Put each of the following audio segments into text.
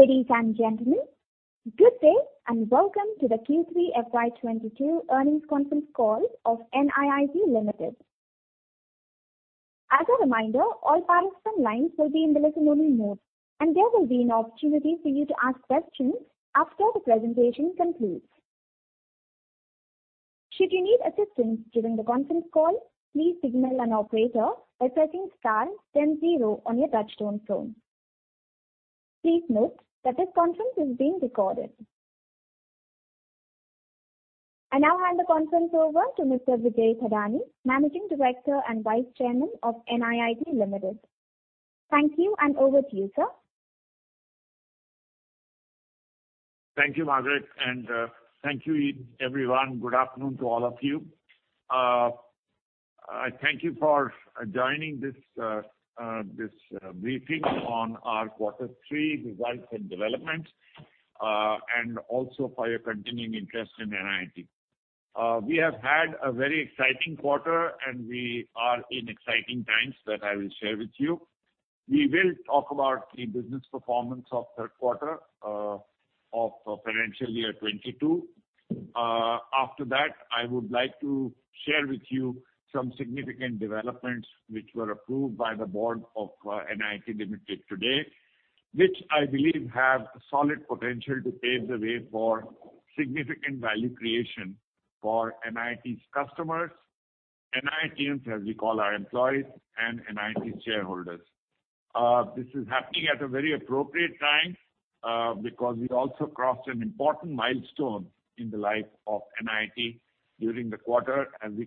Ladies and gentlemen, good day, and welcome to the Q3 FY 2022 Earnings Conference Call of NIIT Limited. As a reminder, all participants lines will be in the listen only mode, and there will be an opportunity for you to ask questions after the presentation concludes. Should you need assistance during the conference call, please signal an operator by pressing star then zero on your touchtone phone. Please note that this conference is being recorded. I now hand the conference over to Mr. Vijay Thadani, Managing Director and Vice Chairman of NIIT Limited. Thank you, and over to you, sir. Thank you, Margaret, and thank you everyone. Good afternoon to all of you. I thank you for joining this briefing on our quarter three results and developments, and also for your continuing interest in NIIT. We have had a very exciting quarter, and we are in exciting times that I will share with you. We will talk about the business performance of third quarter of financial year 2022. After that, I would like to share with you some significant developments which were approved by the board of NIIT Limited today, which I believe have solid potential to pave the way for significant value creation for NIIT's customers, NIITians, as we call our employees, and NIIT shareholders. This is happening at a very appropriate time, because we also crossed an important milestone in the life of NIIT during the quarter as we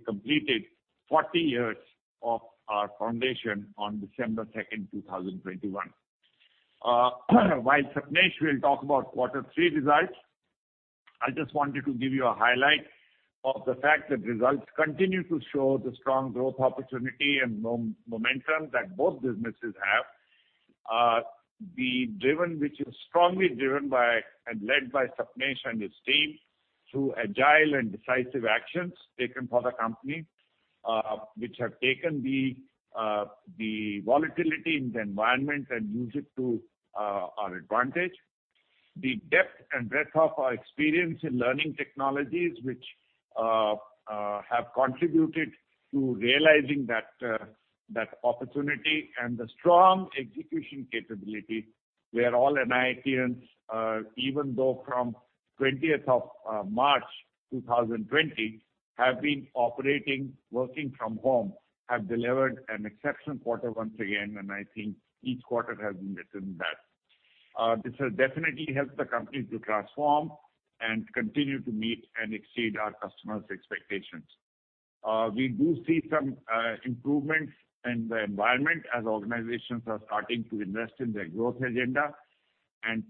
completed 40 years of our foundation on December 2nd, 2021. While Sapnesh will talk about quarter three results, I just wanted to give you a highlight of the fact that results continue to show the strong growth opportunity and momentum that both businesses have, which is strongly driven by and led by Sapnesh and his team through agile and decisive actions taken for the company, which have taken the volatility in the environment and use it to our advantage. The depth and breadth of our experience in learning technologies which have contributed to realizing that opportunity and the strong execution capability where all NIITians, even though from 20th of March 2020, have been operating, working from home, have delivered an exceptional quarter once again. I think each quarter has been better than that. This has definitely helped the company to transform and continue to meet and exceed our customers' expectations. We do see some improvements in the environment as organizations are starting to invest in their growth agenda.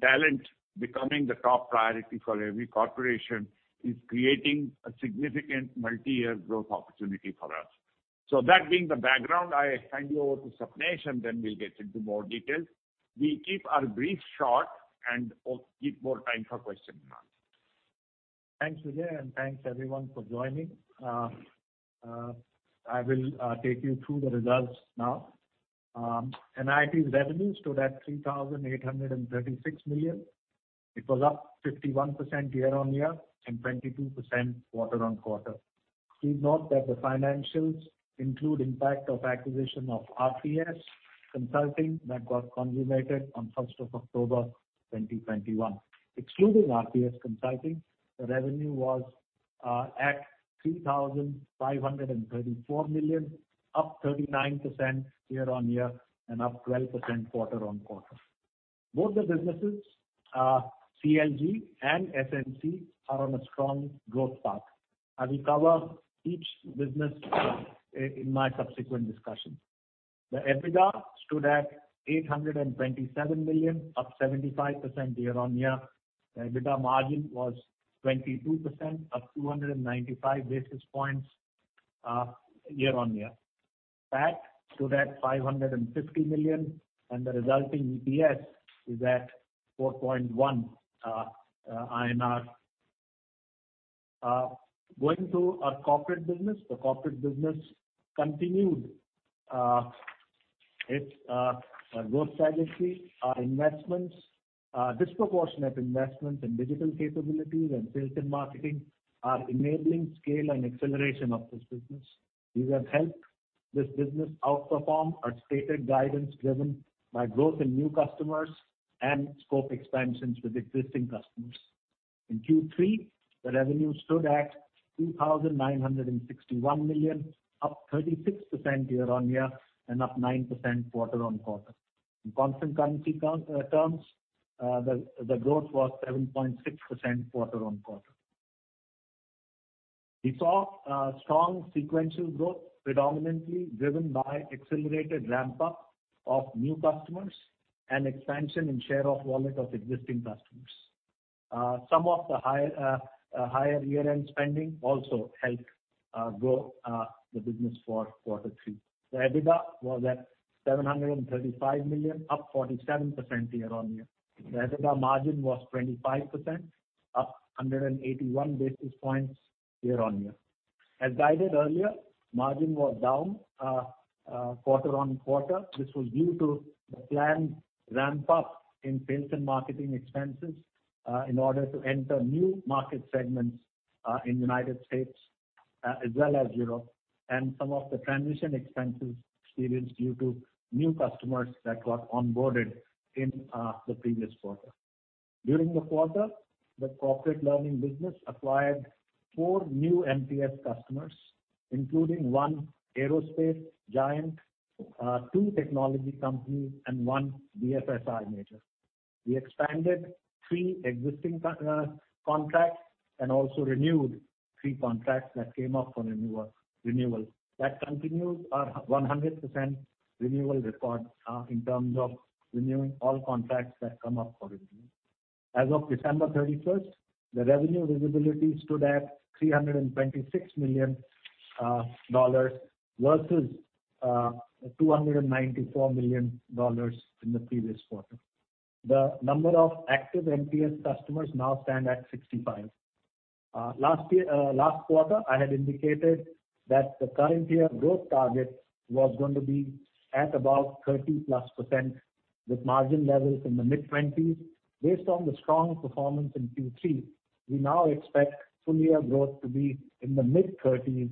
Talent becoming the top priority for every corporation is creating a significant multi-year growth opportunity for us. That being the background, I hand you over to Sapnesh, and then we'll get into more details. We keep our brief short and keep more time for question and answer. Thanks, Vijay, and thanks everyone for joining. I will take you through the results now. NIIT's revenue stood at 3,836 million. It was up 51% year-on-year and 22% quarter-on-quarter. Please note that the financials include impact of acquisition of RPS Consulting that got consummated on 1st October, 2021. Excluding RPS Consulting, the revenue was at 3,534 million, up 39% year-on-year and up 12% quarter-on-quarter. Both the businesses, CLG and SNC, are on a strong growth path. I will cover each business in my subsequent discussions. The EBITDA stood at 827 million, up 75% year-on-year. The EBITDA margin was 22%, up 295 basis points year-on-year. PAT stood at 550 million, and the resulting EPS is at 4.1 INR. Going to our corporate business. The corporate business continued its growth strategy. Our investments, disproportionate investments in digital capabilities and sales and marketing are enabling scale and acceleration of this business. These have helped this business outperform our stated guidance, driven by growth in new customers and scope expansions with existing customers. In Q3, the revenue stood at 2,961 million, up 36% year-on-year and up 9% quarter-on-quarter. In constant currency terms, the growth was 7.6% quarter-on-quarter. We saw strong sequential growth predominantly driven by accelerated ramp up of new customers and expansion in share of wallet of existing customers. Some of the higher year-end spending also helped grow the business for quarter three. The EBITDA was at 735 million, up 47% year-on-year. The EBITDA margin was 25%, up 181 basis points year-on-year. As guided earlier, margin was down quarter-on-quarter. This was due to the planned ramp up in sales and marketing expenses in order to enter new market segments in United States as well as Europe, and some of the transition expenses experienced due to new customers that got onboarded in the previous quarter. During the quarter, the corporate learning business acquired four new MPS customers, including one aerospace giant, two technology companies and one BFSI major. We expanded three existing contracts and also renewed three contracts that came up for renewal. That continues our 100% renewal record in terms of renewing all contracts that come up for review. As of December 31st, the revenue visibility stood at $326 million versus $294 million in the previous quarter. The number of active MPS customers now stands at 65. Last quarter, I had indicated that the current year growth target was going to be at about 30+% with margin levels in the mid-20s. Based on the strong performance in Q3, we now expect full year growth to be in the mid-30s,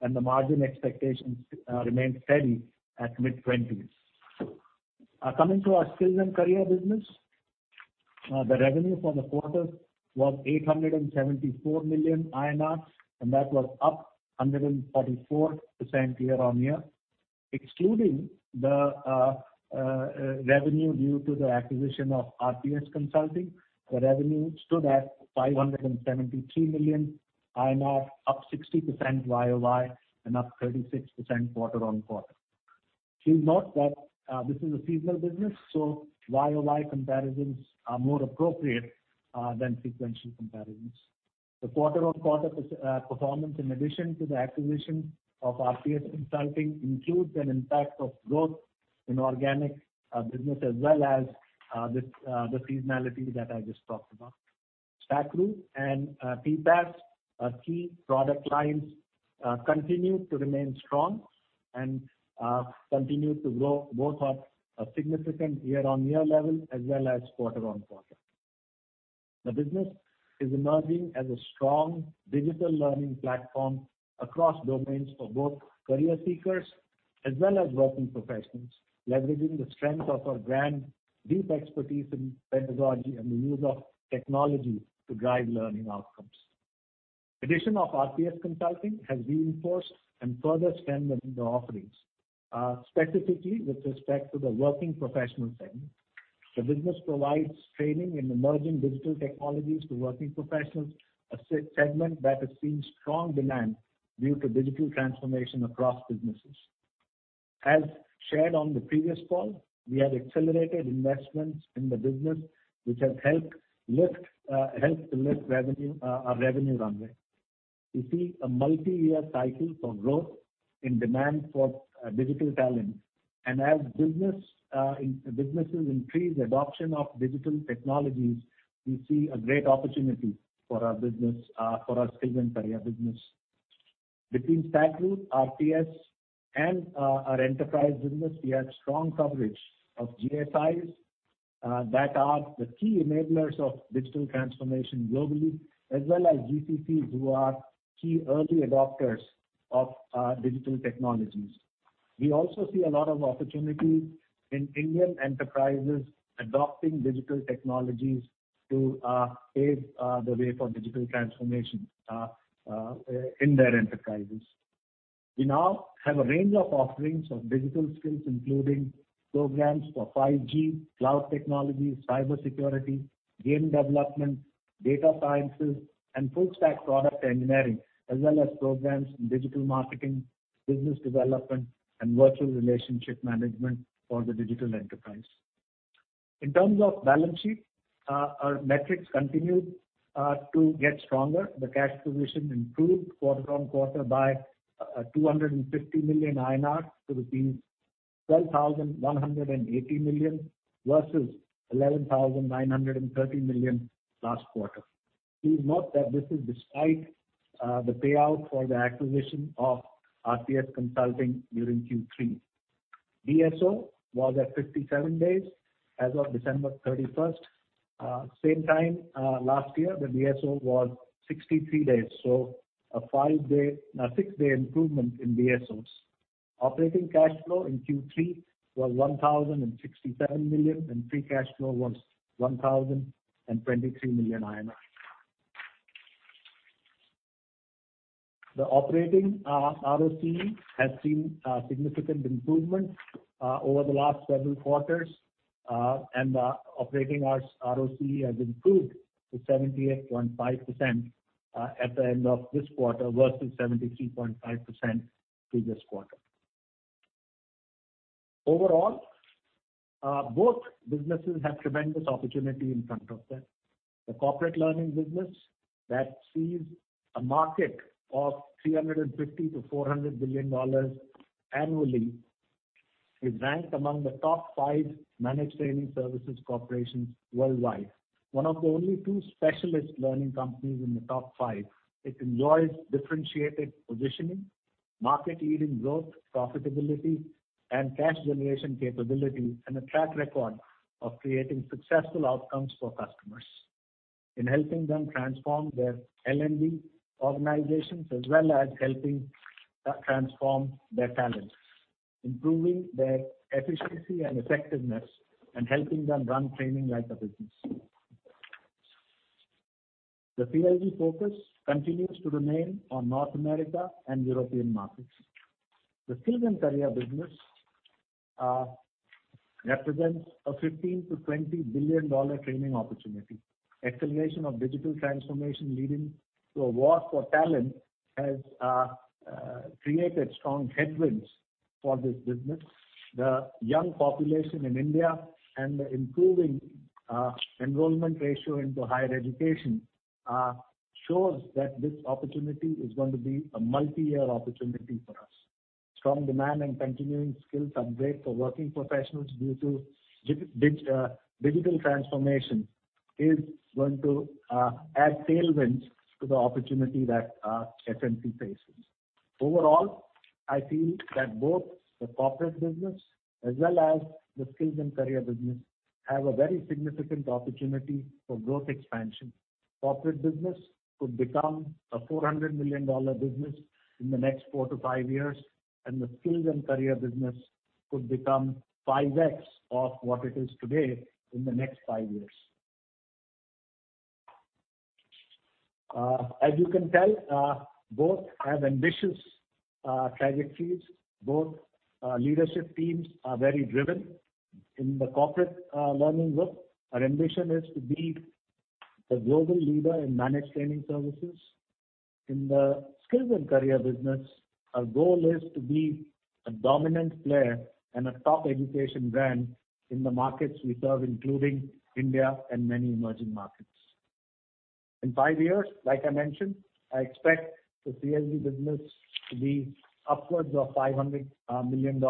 and the margin expectations remain steady at mid-20s. Coming to our Skills and Careers business. The revenue for the quarter was 874 million INR, and that was up 144% year-on-year. Excluding the revenue due to the acquisition of RPS Consulting, the revenue stood at 573 million, up 60% YOY and up 36% quarter-over-quarter. Please note that this is a seasonal business, so YOY comparisons are more appropriate than sequential comparisons. The quarter-over-quarter performance, in addition to the acquisition of RPS Consulting, includes an impact of growth in organic business as well as the seasonality that I just talked about. StackRoute and TPaaS, our key product lines, continue to remain strong and continue to grow both at a significant year-over-year level as well as quarter-over-quarter. The business is emerging as a strong digital learning platform across domains for both career seekers as well as working professionals, leveraging the strength of our brand, deep expertise in pedagogy, and the use of technology to drive learning outcomes. Addition of RPS Consulting has reinforced and further strengthened the offerings, specifically with respect to the working professional segment. The business provides training in emerging digital technologies to working professionals, a segment that has seen strong demand due to digital transformation across businesses. As shared on the previous call, we have accelerated investments in the business, which has helped to lift our revenue runway. We see a multi-year cycle for growth in demand for digital talent. As businesses increase adoption of digital technologies, we see a great opportunity for our business, for our Skills and Careers business. Between StackRoute, RPS and our enterprise business, we have strong coverage of GSIs that are the key enablers of digital transformation globally, as well as GCCs who are key early adopters of digital technologies. We also see a lot of opportunity in Indian enterprises adopting digital technologies to pave the way for digital transformation in their enterprises. We now have a range of offerings of digital skills, including programs for 5G, cloud technologies, cybersecurity, game development, data science and full stack product engineering, as well as programs in digital marketing, business development and virtual relationship management for the digital enterprise. In terms of balance sheet, our metrics continued to get stronger. The cash position improved quarter-on-quarter by 250 million INR to rupees 12,180 million versus 11,930 million last quarter. Please note that this is despite the payout for the acquisition of RPS Consulting during Q3. DSO was at 57 days as of December 31st. At the same time last year, the DSO was 63 days, so a six-day improvement in DSOs. Operating cash flow in Q3 was 1,067 million, and free cash flow was 1,023 million. The operating ROCE has seen significant improvement over the last several quarters. Our operating ROCE has improved to 78.5% at the end of this quarter versus 73.5% previous quarter. Overall, both businesses have tremendous opportunity in front of them. The corporate learning business that sees a market of $350 billion-$400 billion annually. We rank among the top five managed training services corporations worldwide. One of the only two specialist learning companies in the top five. It enjoys differentiated positioning, market-leading growth, profitability, and cash generation capability, and a track record of creating successful outcomes for customers in helping them transform their L&D organizations, as well as helping transform their talent, improving their efficiency and effectiveness and helping them run training like a business. The CLG focus continues to remain on North America and European markets. The Skills and Careers business represents a $15 billion-$20 billion training opportunity. Acceleration of digital transformation leading to a war for talent has created strong headwinds for this business. The young population in India and the improving enrollment ratio into higher education shows that this opportunity is going to be a multi-year opportunity for us. Strong demand and continuing skills upgrade for working professionals due to digital transformation is going to add tailwinds to the opportunity that SNC faces. Overall, I feel that both the corporate business as well as the Skills and Careers business have a very significant opportunity for growth expansion. Corporate business could become a $400 million business in the next 4-5 years, and the Skills and Careers business could become 5x of what it is today in the next five years. As you can tell, both have ambitious trajectories. Both leadership teams are very driven. In the Corporate Learning Group, our ambition is to be the global leader in managed training services. In the Skills and Careers business, our goal is to be a dominant player and a top education brand in the markets we serve, including India and many emerging markets. In five years, like I mentioned, I expect the CLG business to be upwards of $500 million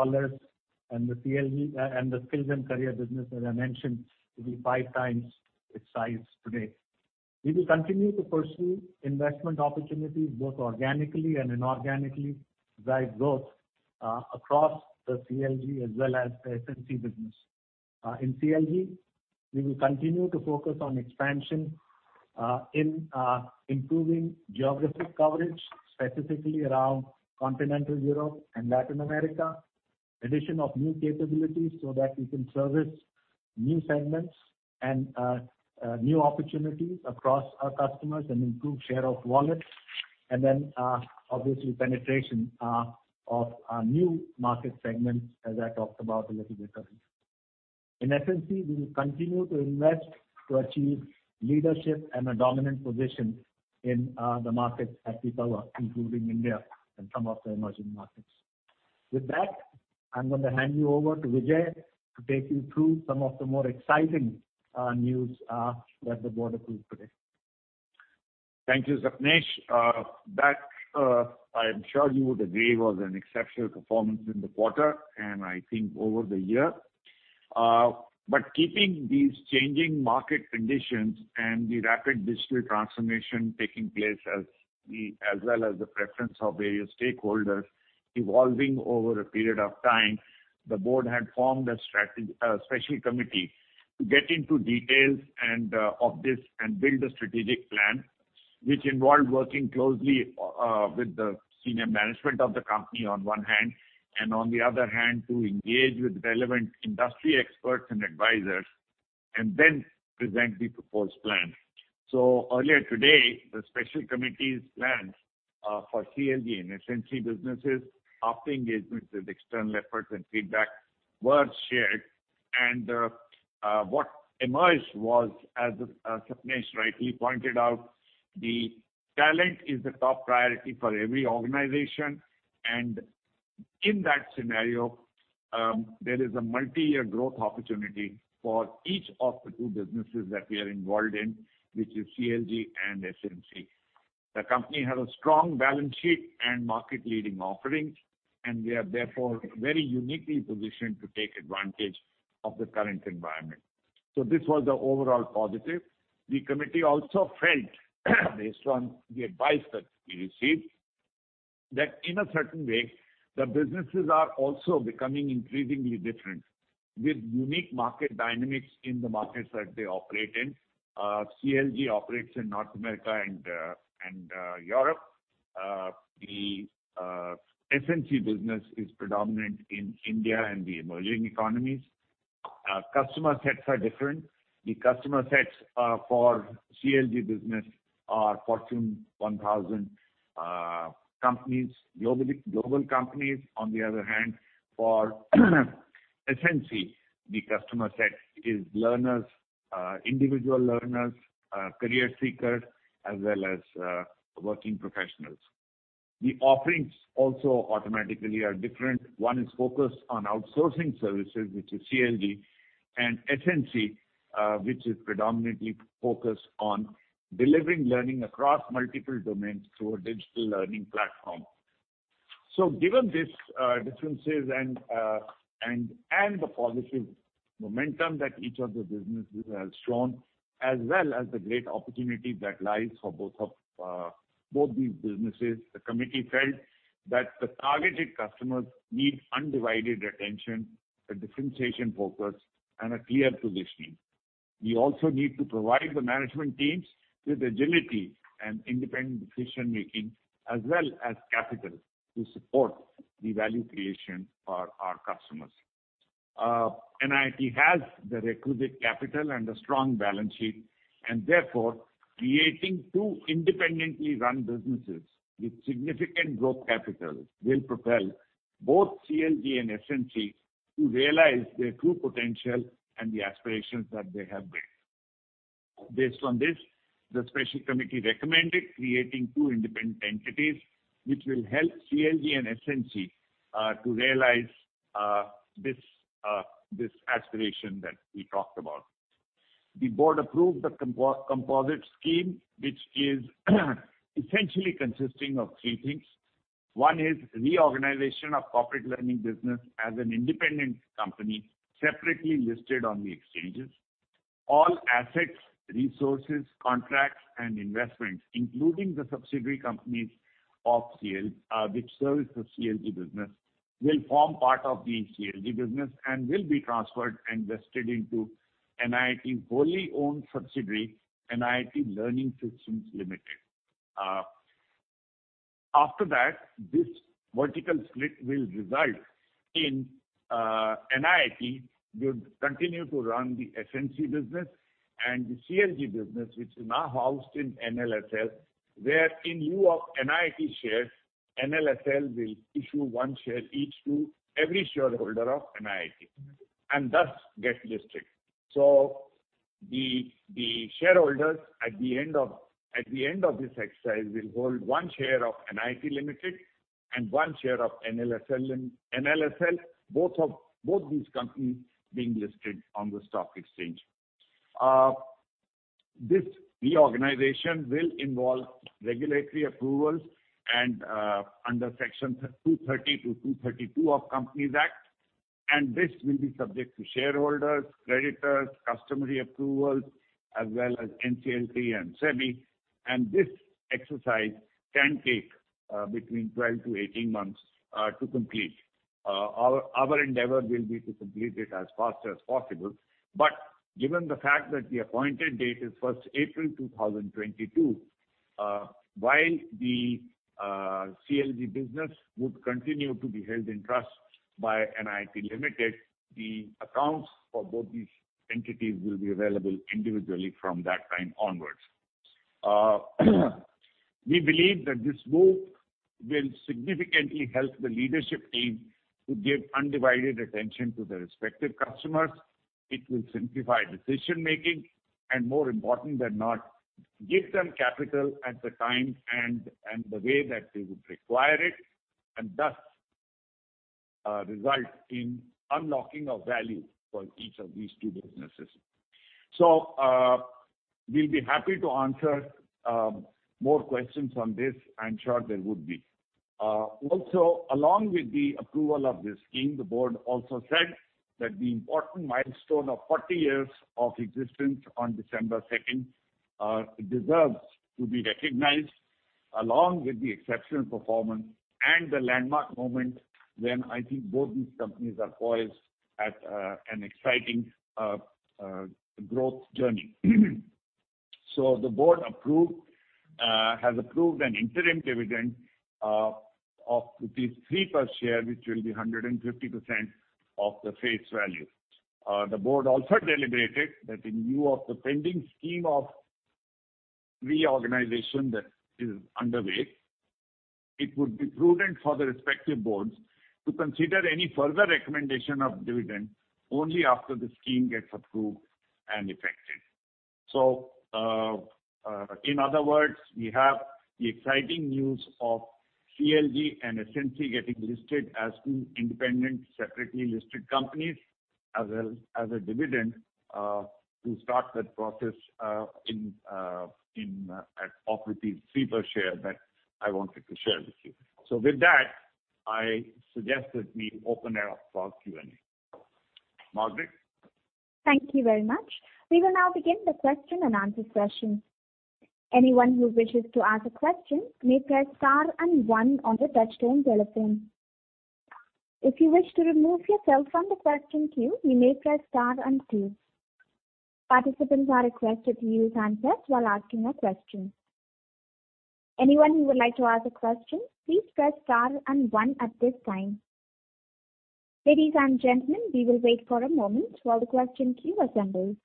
and the Skills and Careers business, as I mentioned, to be 5x its size today. We will continue to pursue investment opportunities, both organically and inorganically, drive growth across the CLG as well as the SNC business. In CLG, we will continue to focus on expansion in improving geographic coverage, specifically around continental Europe and Latin America. Addition of new capabilities so that we can service new segments and new opportunities across our customers and improve share of wallet. Obviously, penetration of new market segments, as I talked about a little bit earlier. In SNC, we will continue to invest to achieve leadership and a dominant position in the markets that we serve, including India and some of the emerging markets. With that, I'm gonna hand you over to Vijay to take you through some of the more exciting news that the board approved today. Thank you, Sapnesh. That I am sure you would agree was an exceptional performance in the quarter, and I think over the year. Keeping these changing market conditions and the rapid digital transformation taking place as well as the preference of various stakeholders evolving over a period of time, the board had formed a special committee to get into details and of this and build a strategic plan, which involved working closely with the senior management of the company on one hand, and on the other hand, to engage with relevant industry experts and advisors, and then present the proposed plan. Earlier today, the special committee's plans for CLG and SNC businesses after engagement with external experts and feedback were shared. What emerged was, as Sapnesh rightly pointed out, the talent is the top priority for every organization. In that scenario, there is a multi-year growth opportunity for each of the two businesses that we are involved in, which is CLG and SNC. The company has a strong balance sheet and market-leading offerings, and we are therefore very uniquely positioned to take advantage of the current environment. This was the overall positive. The committee also felt, based on the advice that we received, that in a certain way, the businesses are also becoming increasingly different, with unique market dynamics in the markets that they operate in. CLG operates in North America and Europe. The SNC business is predominant in India and the emerging economies. Customer sets are different. The customer sets for CLG business are Fortune 1000 companies, global companies. On the other hand, for SNC, the customer set is learners, individual learners, career seekers, as well as working professionals. The offerings also automatically are different. One is focused on outsourcing services, which is CLG. SNC, which is predominantly focused on delivering learning across multiple domains through a digital learning platform. Given these differences and the positive momentum that each of the businesses has shown, as well as the great opportunity that lies for both these businesses, the committee felt that the targeted customers need undivided attention, a differentiation focus, and a clear positioning. We also need to provide the management teams with agility and independent decision-making, as well as capital to support the value creation for our customers. NIIT has the requisite capital and a strong balance sheet, and therefore creating two independently run businesses with significant growth capital will propel both CLG and SNC to realize their true potential and the aspirations that they have built. Based on this, the special committee recommended creating two independent entities which will help CLG and SNC to realize this aspiration that we talked about. The board approved the composite scheme, which is essentially consisting of three things. One is reorganization of Corporate Learning Business as an independent company, separately listed on the exchanges. All assets, resources, contracts, and investments, including the subsidiary companies of CLG, which service the CLG business, will form part of the CLG business and will be transferred and vested into NIIT wholly owned subsidiary, NIIT Learning Systems Limited. After that, this vertical split will result in NIIT will continue to run the SNC business and the CLG business, which is now housed in NLSL. Where in lieu of NIIT shares, NLSL will issue one share each to every shareholder of NIIT, and thus get listed. The shareholders at the end of this exercise will hold one share of NIIT Limited and one share of NLSL, both these companies being listed on the stock exchange. This reorganization will involve regulatory approvals and, under Sections 230 to 232 of the Companies Act, and this will be subject to shareholders, creditors, customary approvals, as well as NCLT and SEBI. This exercise can take between 12-18 months to complete. Our endeavor will be to complete it as fast as possible. Given the fact that the appointed date is 1st April, 2022, while the CLG business would continue to be held in trust by NIIT Limited, the accounts for both these entities will be available individually from that time onwards. We believe that this move will significantly help the leadership team to give undivided attention to the respective customers. It will simplify decision-making, and more important than not, give them capital at the time and the way that they would require it, and thus result in unlocking of value for each of these two businesses. We'll be happy to answer more questions on this. I'm sure there would be. Along with the approval of this scheme, the board also said that the important milestone of 40 years of existence on December second deserves to be recognized, along with the exceptional performance and the landmark moment when I think both these companies are poised at an exciting growth journey. The board has approved an interim dividend of rupees 3 per share, which will be 150% of the face value. The board also deliberated that in lieu of the pending scheme of reorganization that is underway, it would be prudent for the respective boards to consider any further recommendation of dividend only after the scheme gets approved and effective. In other words, we have the exciting news of CLG and SNC getting listed as two independent, separately listed companies, as well as a dividend to start that process, of INR 3 per share that I wanted to share with you. With that, I suggest that we open it up for Q&A. Margaret? Thank you very much. We will now begin the question and answer session. Anyone who wishes to ask a question may press star and one on their touchtone telephone. If you wish to remove yourself from the question queue, you may press star and two. Participants are requested to use handset while asking a question. Anyone who would like to ask a question, please press star and one at this time. Ladies and gentlemen, we will wait for a moment while the question queue assembles.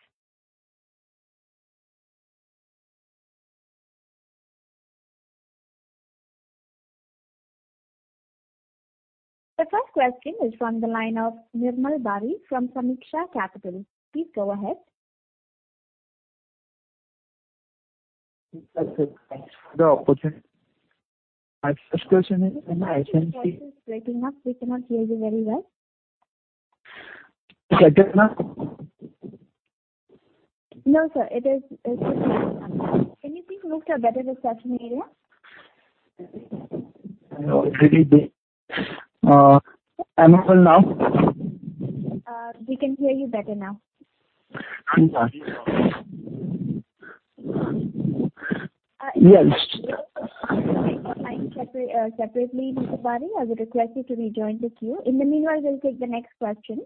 The first question is from the line of Nirmal Bari from Sameeksha Capital. Please go ahead. Okay, thanks. Go ahead. My first question is on SNC- Your voice is breaking up. We cannot hear you very well. Is that better now? No, sir. It is breaking up. Can you please move to a better reception area? I am already there. Am I audible now? We can hear you better now. I'm sorry. Yes. Separately, Mr. Bari, I would request you to rejoin the queue. In the meanwhile, we'll take the next question.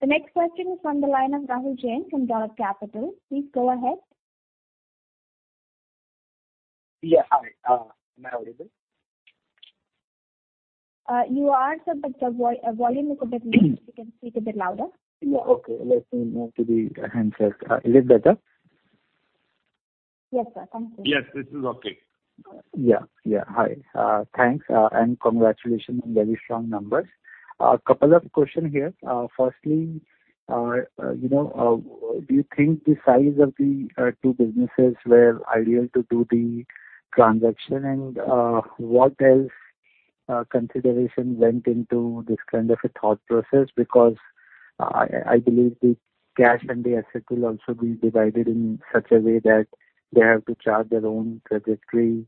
The next question is from the line of Rahul Jain from Dolat Capital. Please go ahead. Yeah. Hi. Am I audible? You are, sir, but the volume is a bit low. If you can speak a bit louder. Yeah. Okay. Let me move to the handset. Is it better? Yes, sir. Thank you. Yes, this is okay. Yeah, yeah. Hi. Thanks, and congratulations on very strong numbers. Couple of questions here. Firstly, you know, do you think the size of the two businesses were ideal to do the transaction? What else consideration went into this kind of a thought process? Because I believe the cash and the assets will also be divided in such a way that they have to chart their own trajectory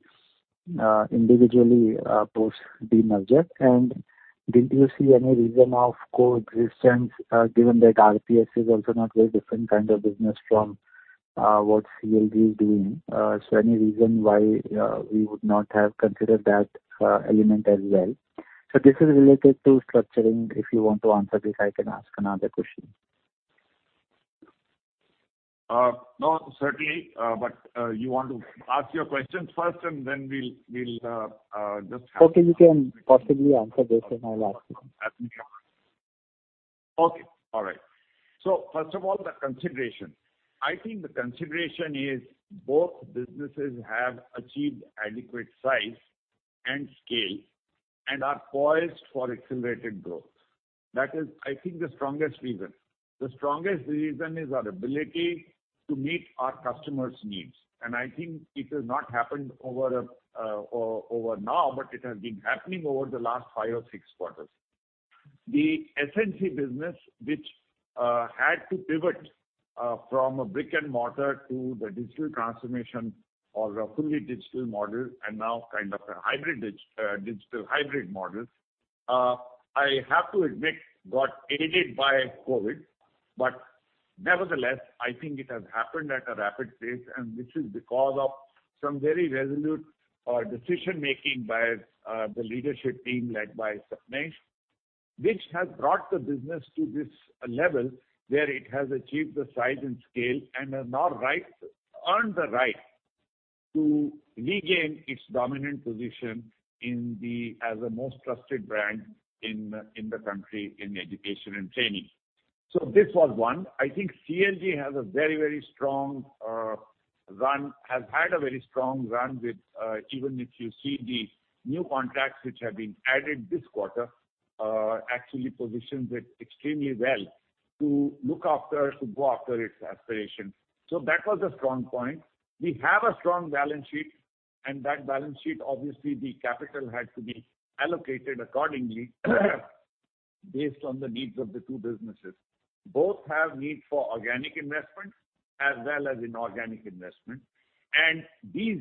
individually post the merger. Did you see any reason of co-existence, given that RPS is also not very different kind of business from what CLG is doing? Any reason why we would not have considered that element as well? This is related to structuring. If you want to answer this, I can ask another question. No, certainly. You want to ask your questions first, and then we'll just have- Okay. You can possibly answer this and I'll ask. Happy to. Okay. All right. First of all, the consideration. I think the consideration is both businesses have achieved adequate size and scale and are poised for accelerated growth. That is, I think, the strongest reason. The strongest reason is our ability to meet our customers' needs. I think it has not happened overnight, but it has been happening over the last five or six quarters. The SNC business, which had to pivot, from a brick and mortar to the digital transformation or a fully digital model, and now kind of a hybrid digital-hybrid model, I have to admit, got aided by COVID. Nevertheless, I think it has happened at a rapid pace, and which is because of some very resolute decision-making by the leadership team led by Sapnesh, which has brought the business to this level where it has achieved the size and scale and has now earned the right to regain its dominant position in as a most trusted brand in the country in education and training. This was one. I think CLG has a very, very strong run, has had a very strong run with even if you see the new contracts which have been added this quarter, actually positions it extremely well to look after, to go after its aspirations. That was a strong point. We have a strong balance sheet, and that balance sheet, obviously the capital had to be allocated accordingly based on the needs of the two businesses. Both have need for organic investment as well as inorganic investment. These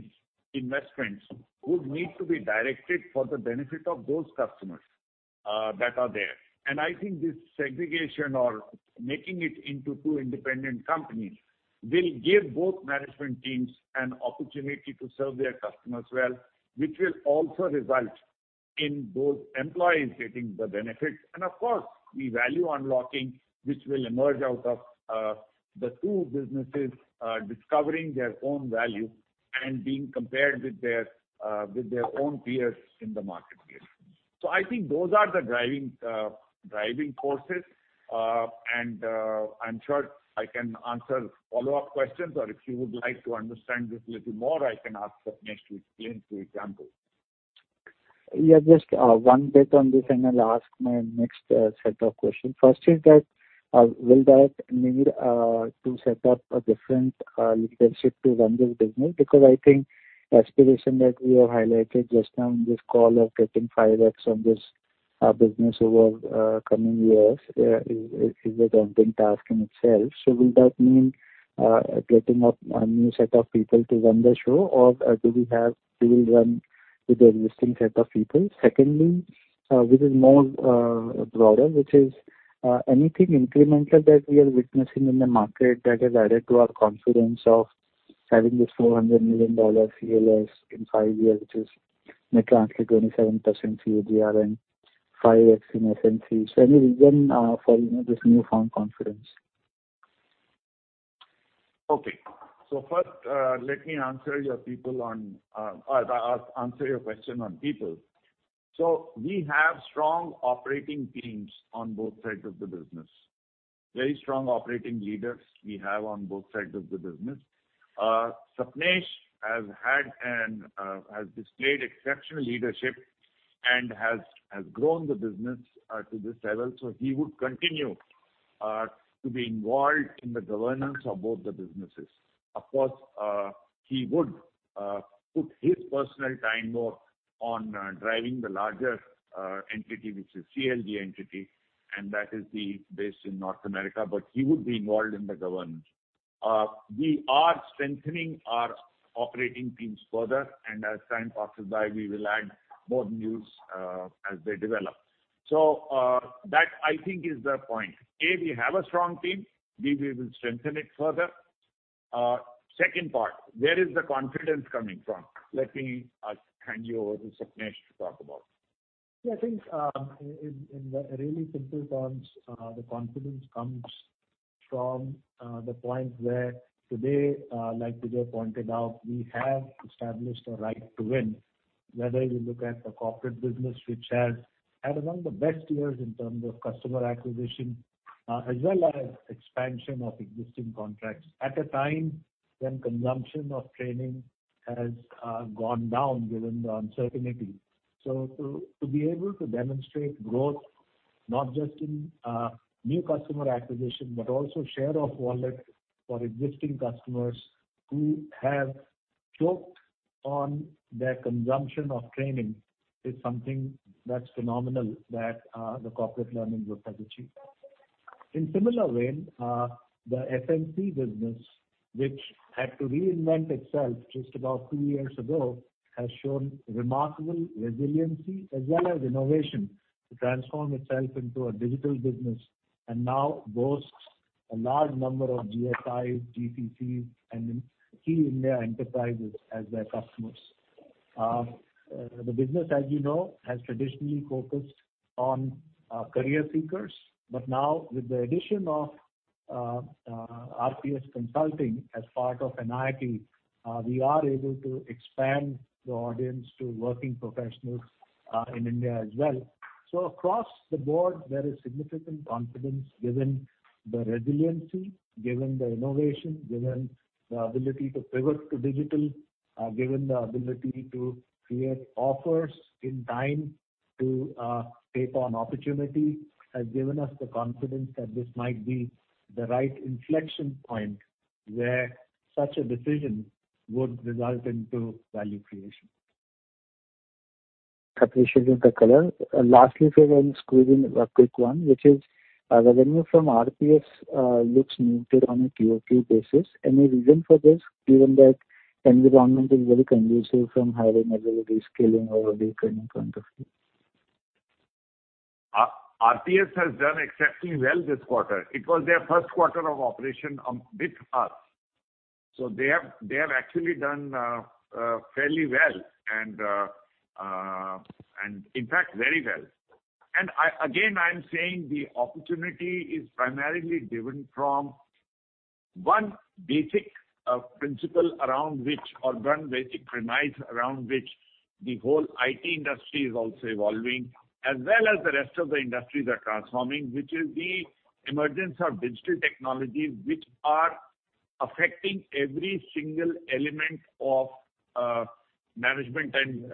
investments would need to be directed for the benefit of those customers that are there. I think this segregation or making it into two independent companies will give both management teams an opportunity to serve their customers well, which will also result in both employees getting the benefit. Of course, the value unlocking which will emerge out of the two businesses discovering their own value and being compared with their own peers in the marketplace. I think those are the driving forces. I'm sure I can answer follow-up questions or if you would like to understand this little more, I can ask Sapnesh Lalla to explain few examples. Yeah, just one bit on this and I'll ask my next set of questions. First is that will that need to set up a different leadership to run this business? Because I think aspiration that we have highlighted just now in this call of getting 5x on this business over coming years is a daunting task in itself. Will that mean getting a new set of people to run the show or do we have people run with the existing set of people? Secondly, this is more broader, which is anything incremental that we are witnessing in the market that has added to our confidence of having this $400 million CLG in five years, which is mechanically 27% CAGR and 5x in SNC. Any reason for, you know, this newfound confidence? First, let me answer your question on people. We have strong operating teams on both sides of the business. Very strong operating leaders we have on both sides of the business. Sapnesh has had and has displayed exceptional leadership and has grown the business to this level. He would continue to be involved in the governance of both the businesses. Of course, he would put his personal time more on driving the larger entity, which is CLG entity, and that is the base in North America, but he would be involved in the governance. We are strengthening our operating teams further, and as time passes by, we will add more names as they develop. That I think is the point. We have a strong team. B, we will strengthen it further. Second part, where is the confidence coming from? Let me hand you over to Sapnesh to talk about. Yeah, I think, in really simple terms, the confidence comes from the point where today, like Vijay pointed out, we have established a right to win, whether you look at the corporate business which has had one of the best years in terms of customer acquisition, as well as expansion of existing contracts at a time when consumption of training has gone down given the uncertainty. To be able to demonstrate growth, not just in new customer acquisition, but also share of wallet for existing customers who have choked on their consumption of training is something that's phenomenal that the Corporate Learning Group has achieved. In similar vein, the SNC business, which had to reinvent itself just about two years ago, has shown remarkable resiliency as well as innovation to transform itself into a digital business, and now boasts a large number of GSIs, GCCs, and key Indian enterprises as their customers. The business, as you know, has traditionally focused on career seekers. Now with the addition of RPS Consulting as part of NIIT, we are able to expand the audience to working professionals in India as well. Across the board, there is significant confidence given the resiliency, given the innovation, given the ability to pivot to digital, given the ability to create offers in time to take on opportunity, has given us the confidence that this might be the right inflection point where such a decision would result into value creation. Appreciating the color. Lastly, if I can squeeze in a quick one, which is revenue from RPS looks muted on a QOQ basis. Any reason for this, given that environment is very conducive from hiring ability, scaling or retaining point of view? RPS has done exceptionally well this quarter. It was their first quarter of operation with us. They have actually done fairly well and in fact, very well. Again, I am saying the opportunity is primarily driven from one basic premise around which the whole IT industry is also evolving, as well as the rest of the industries are transforming, which is the emergence of digital technologies which are affecting every single element of management and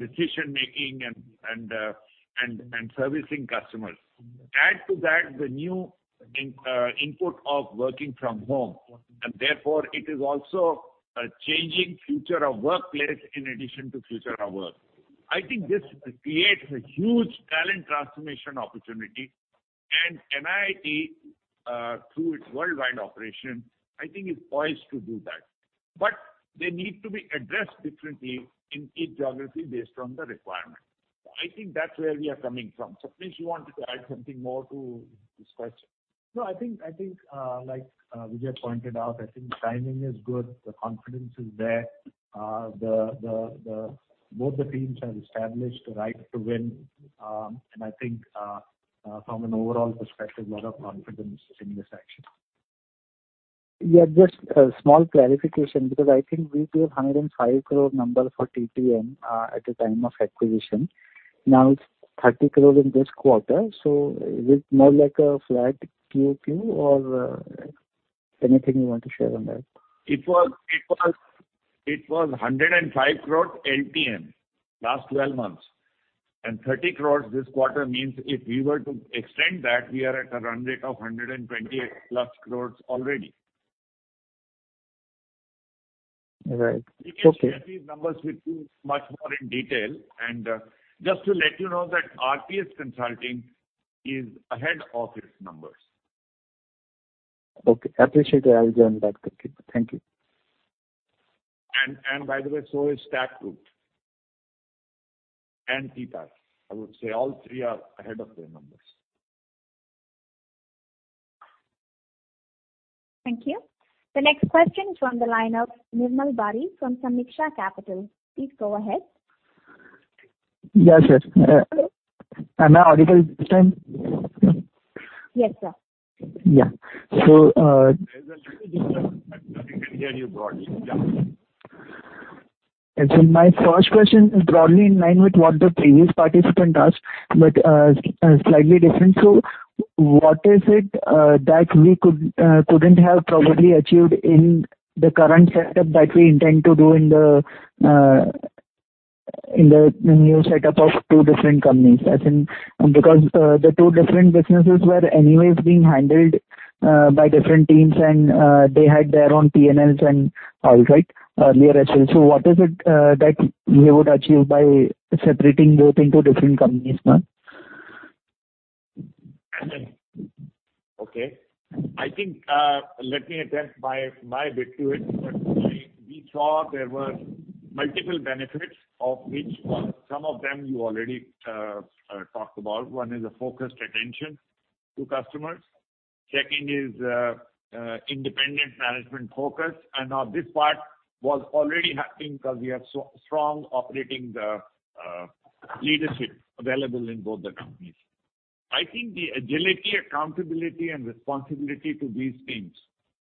decision making and servicing customers. Add to that the new input of working from home. Therefore it is also a changing future of workplace in addition to future of work. I think this creates a huge talent transformation opportunity and NIIT through its worldwide operation, I think is poised to do that. They need to be addressed differently in each geography based on the requirement. I think that's where we are coming from. Sapnesh, you wanted to add something more to this question? No, I think, like, Vijay pointed out, I think timing is good, the confidence is there. Both the teams have established the right to win. I think, from an overall perspective, lot of confidence in this action. Yeah, just a small clarification, because I think we gave 105 crore number for TTM at the time of acquisition. Now it's 30 crore in this quarter, so is it more like a flat QoQ or anything you want to share on that? It was 105 crore LTM, last twelve months. Thirty crore this quarter means if we were to extend that, we are at a run rate of 128+ crore already. Right. Okay. We can share these numbers with you much more in detail. Just to let you know that RPS Consulting is ahead of its numbers. Okay. Appreciate it. I'll join the dots. Thank you. By the way, so is StackRoute and TPaaS. I would say all three are ahead of their numbers. Thank you. The next question is from the line of Nirmal Bari from Sameeksha Capital. Please go ahead. Yes, yes. Am I audible this time? Yes, sir. Yeah. There's a little disturbance, but we can hear you broadly. Yeah. My first question is broadly in line with what the previous participant asked, but slightly different. What is it that we couldn't have probably achieved in the current setup that we intend to do in the, In the new setup of two different companies, because the two different businesses were anyways being handled by different teams and they had their own P&Ls and all, right, earlier as well. What is it that you would achieve by separating both into different companies now? Okay. I think, let me attempt my bit to it. We saw there were multiple benefits, some of them you already talked about. One is a focused attention to customers. Second is independent management focus. Now this part was already happening because we have so strong operating leadership available in both the companies. I think the agility, accountability and responsibility to these teams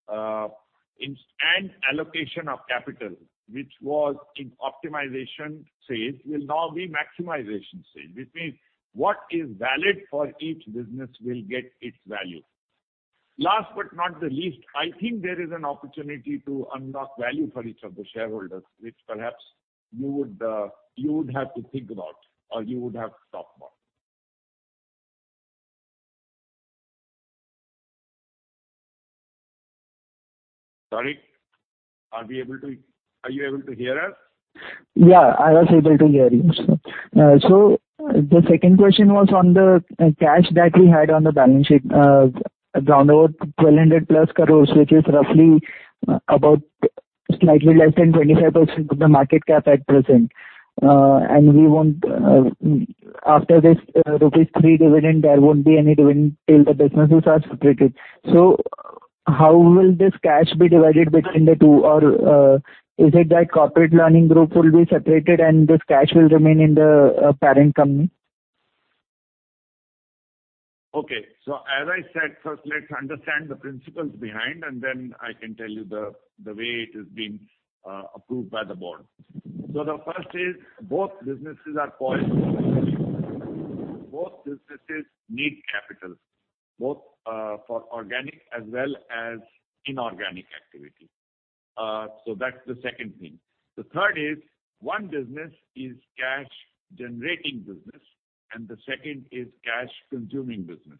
and allocation of capital, which was in optimization stage will now be maximization stage, which means what is valid for each business will get its value. Last but not the least, I think there is an opportunity to unlock value for each of the shareholders, which perhaps you would have to think about or you would have talked about. Sorry. Are you able to hear us? Yeah, I was able to hear you, sir. The second question was on the cash that we had on the balance sheet, around 1,200+ crores, which is roughly slightly less than 25% of the market cap at present. After this rupees 3 dividend, there won't be any dividend till the businesses are separated. How will this cash be divided between the two? Or, is it that Corporate Learning Group will be separated and this cash will remain in the parent company? Okay. As I said, first let's understand the principles behind and then I can tell you the way it is being approved by the board. The first is both businesses need capital, both for organic as well as inorganic activity. That's the second thing. The third is one business is cash generating business, and the second is cash consuming business,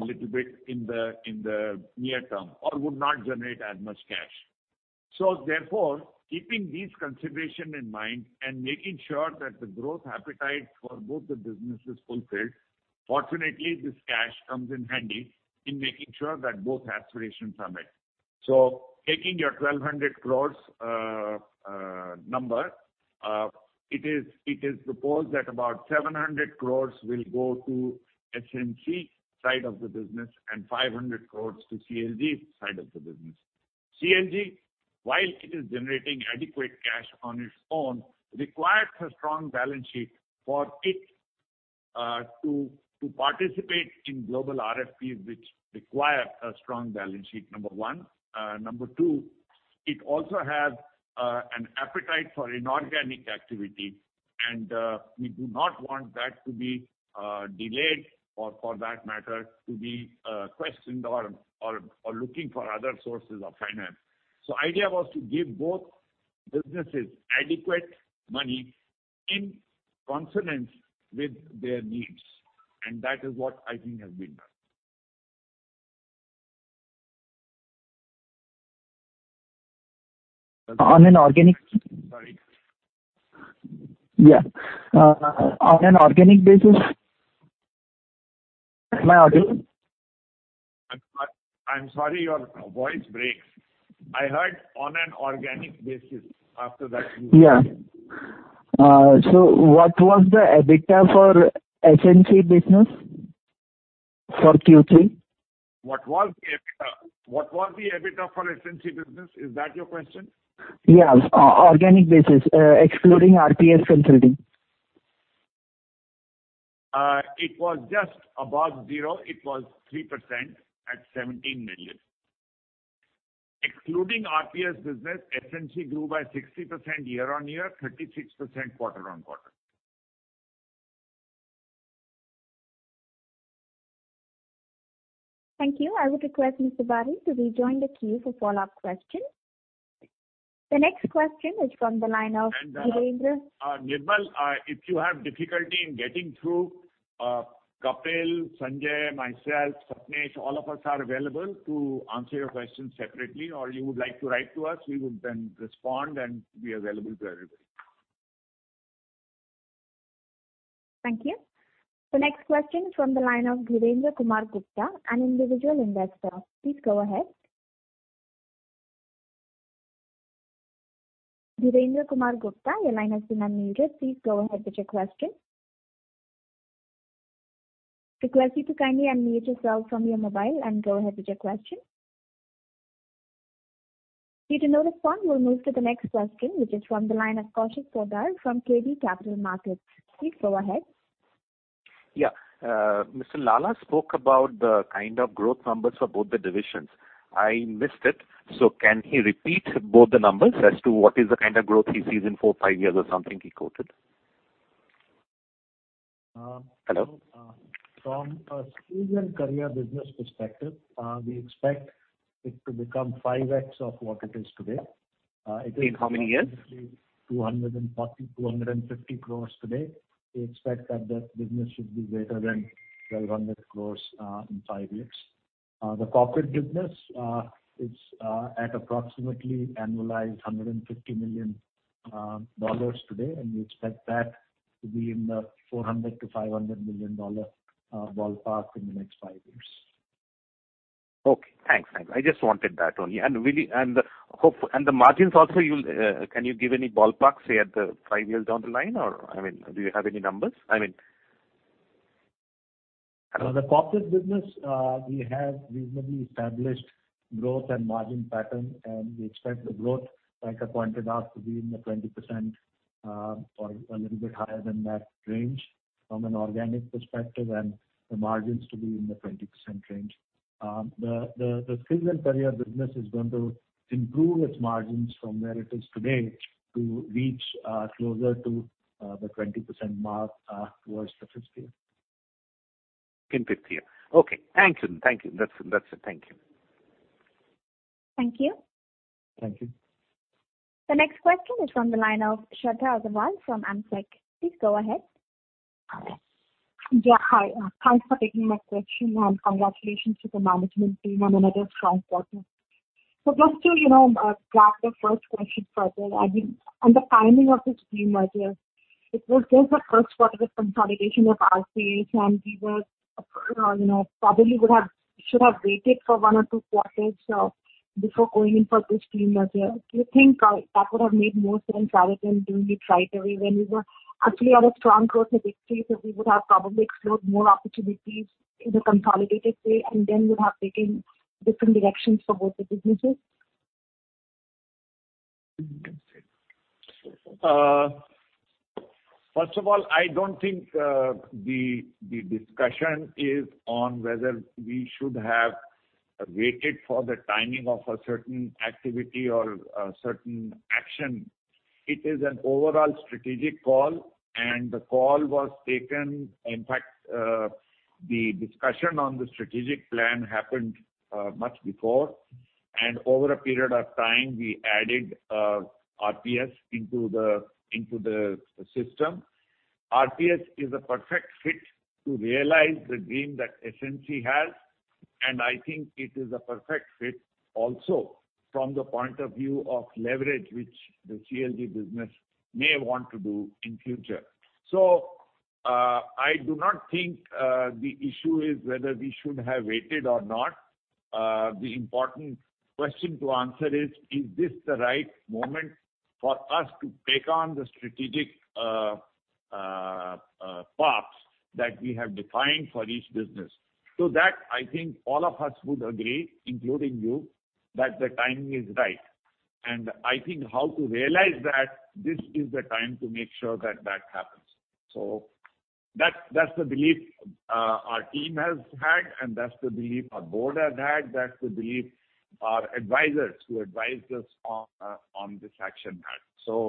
little bit in the near term or would not generate as much cash. Therefore, keeping these consideration in mind and making sure that the growth appetite for both the businesses fulfilled, fortunately, this cash comes in handy in making sure that both aspirations are met. Taking your 1,200 crores number, it is proposed that about 700 crores will go to SNC side of the business and 500 crores to CLG side of the business. CLG, while it is generating adequate cash on its own, requires a strong balance sheet for it to participate in global RFPs which require a strong balance sheet, number one. Number two, it also has an appetite for inorganic activity, and we do not want that to be delayed or for that matter, to be questioned or looking for other sources of finance. Idea was to give both businesses adequate money in consonance with their needs, and that is what I think has been done. On an organic- Sorry. Yeah. On an organic basis. Am I audible? I'm sorry, your voice breaks. I heard on an organic basis. After that. Yeah, what was the EBITDA for SNC business for Q3? What was EBITDA? What was the EBITDA for SNC business? Is that your question? Yeah. Organic basis, excluding RPS Consulting. It was just above zero. It was 3% at 17 million. Excluding RPS business, SNC grew by 60% year-on-year, 36% quarter-on-quarter. Thank you. I would request Mr. Bari to rejoin the queue for follow-up questions. The next question is from the line of Dhirendra. Nirmal, if you have difficulty in getting through, Kapil, Sanjay, myself, Sapnesh, all of us are available to answer your question separately. Or you would like to write to us, we would then respond, and we are available to everybody. Thank you. The next question is from the line of Dhirendra Kumar Gupta, an individual investor. Please go ahead. Dhirendra Kumar Gupta, your line has been unmuted. Please go ahead with your question. Request you to kindly unmute yourself from your mobile and go ahead with your question. Due to no response, we'll move to the next question, which is from the line of Kaushik Poddar from KB Capital Markets. Please go ahead. Yeah, Mr. Lalla spoke about the kind of growth numbers for both the divisions. I missed it. Can he repeat both the numbers as to what is the kind of growth he sees in 4-5 years or something he quoted? Hello. From a skills and career business perspective, we expect it to become 5x of what it is today. In how many years? 240-250 crores today. We expect that business should be greater than 1,200 crores in five years. The corporate business is at approximately annualized $150 million today, and we expect that to be in the $400-$500 million ballpark in the next five years. Okay. Thanks. I just wanted that only. The margins also can you give any ballpark, say, at the five years down the line or, I mean, do you have any numbers? I mean. The corporate business, we have reasonably established growth and margin pattern, and we expect the growth, like I pointed out, to be in the 20% or a little bit higher than that range from an organic perspective, and the margins to be in the 20% range. The skills and career business is going to improve its margins from where it is today to reach closer to the 20% mark towards the fifth year. In fifth year. Okay. Thank you. Thank you. That's it. Thank you. Thank you. Thank you. The next question is from the line of Shradha Agrawal from Amsec. Please go ahead. Yeah. Hi. Thanks for taking my question, and congratulations to the management team on another strong quarter. Just to, you know, take the first question further, I mean, on the timing of the scheme merger, it was during the first quarter of consolidation of RPS, and we were, you know, should have waited for one or two quarters before going in for the scheme merger. Do you think that would have made more sense rather than doing it right away when you were actually on a strong growth trajectory? We would have probably explored more opportunities in a consolidated way and then would have taken different directions for both the businesses. First of all, I don't think the discussion is on whether we should have waited for the timing of a certain activity or a certain action. It is an overall strategic call, and the call was taken. In fact, the discussion on the strategic plan happened much before. Over a period of time, we added RPS into the system. RPS is a perfect fit to realize the dream that SNC has, and I think it is a perfect fit also from the point of view of leverage which the CLG business may want to do in future. I do not think the issue is whether we should have waited or not. The important question to answer is this the right moment for us to take on the strategic paths that we have defined for each business? To that, I think all of us would agree, including you, that the timing is right. I think how to realize that this is the time to make sure that that happens. That's the belief our team has had, and that's the belief our board has had. That's the belief our advisors who advised us on this action had.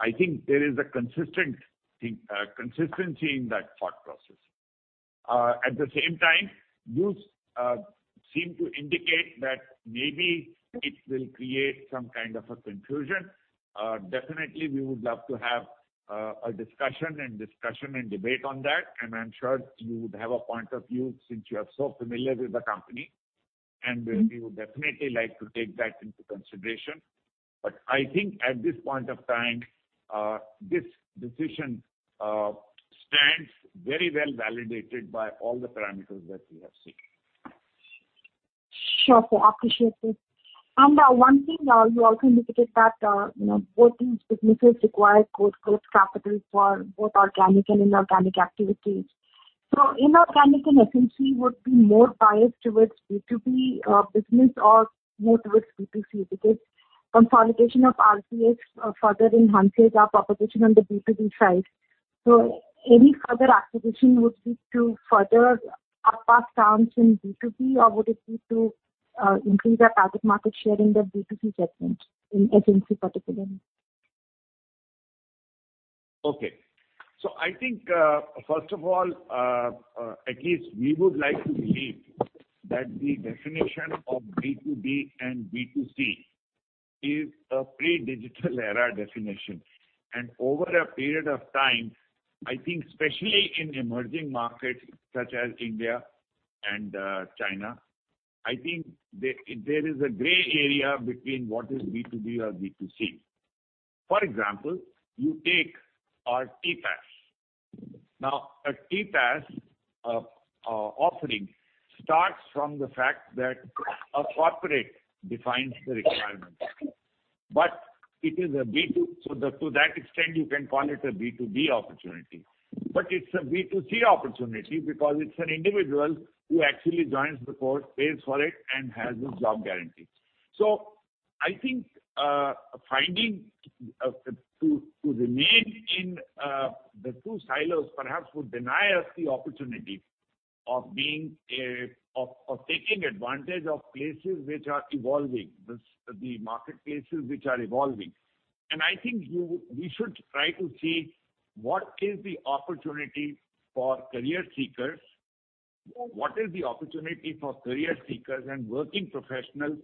I think there is a consistency in that thought process. At the same time, you seem to indicate that maybe it will create some kind of a confusion. Definitely, we would love to have a discussion and debate on that. I'm sure you would have a point of view since you are so familiar with the company, and we would definitely like to take that into consideration. I think at this point of time, this decision stands very well validated by all the parameters that we have seen. Sure, sir. Appreciate this. One thing, you also indicated that, you know, both these businesses require core growth capital for both organic and inorganic activities. Inorganic in SNC would be more biased towards B2B business or more towards B2C, because consolidation of RPS further enhances our proposition on the B2B side. Any further acquisition would be to beef up our stance in B2B, or would it be to increase our target market share in the B2C segment in SNC particularly? Okay. I think, first of all, at least we would like to believe that the definition of B2B and B2C is a pre-digital era definition. Over a period of time, I think especially in emerging markets such as India and China, I think there is a gray area between what is B2B or B2C. For example, you take our TPAS. Now, a TPAS offering starts from the fact that a corporate defines the requirement. It is a B2B. To that extent, you can call it a B2B opportunity. It's a B2C opportunity because it's an individual who actually joins the course, pays for it, and has a job guarantee. I think failing to remain in the two silos perhaps would deny us the opportunity of being able to take advantage of places which are evolving, the spaces, the marketplaces which are evolving. I think we should try to see what is the opportunity for career seekers. What is the opportunity for career seekers and working professionals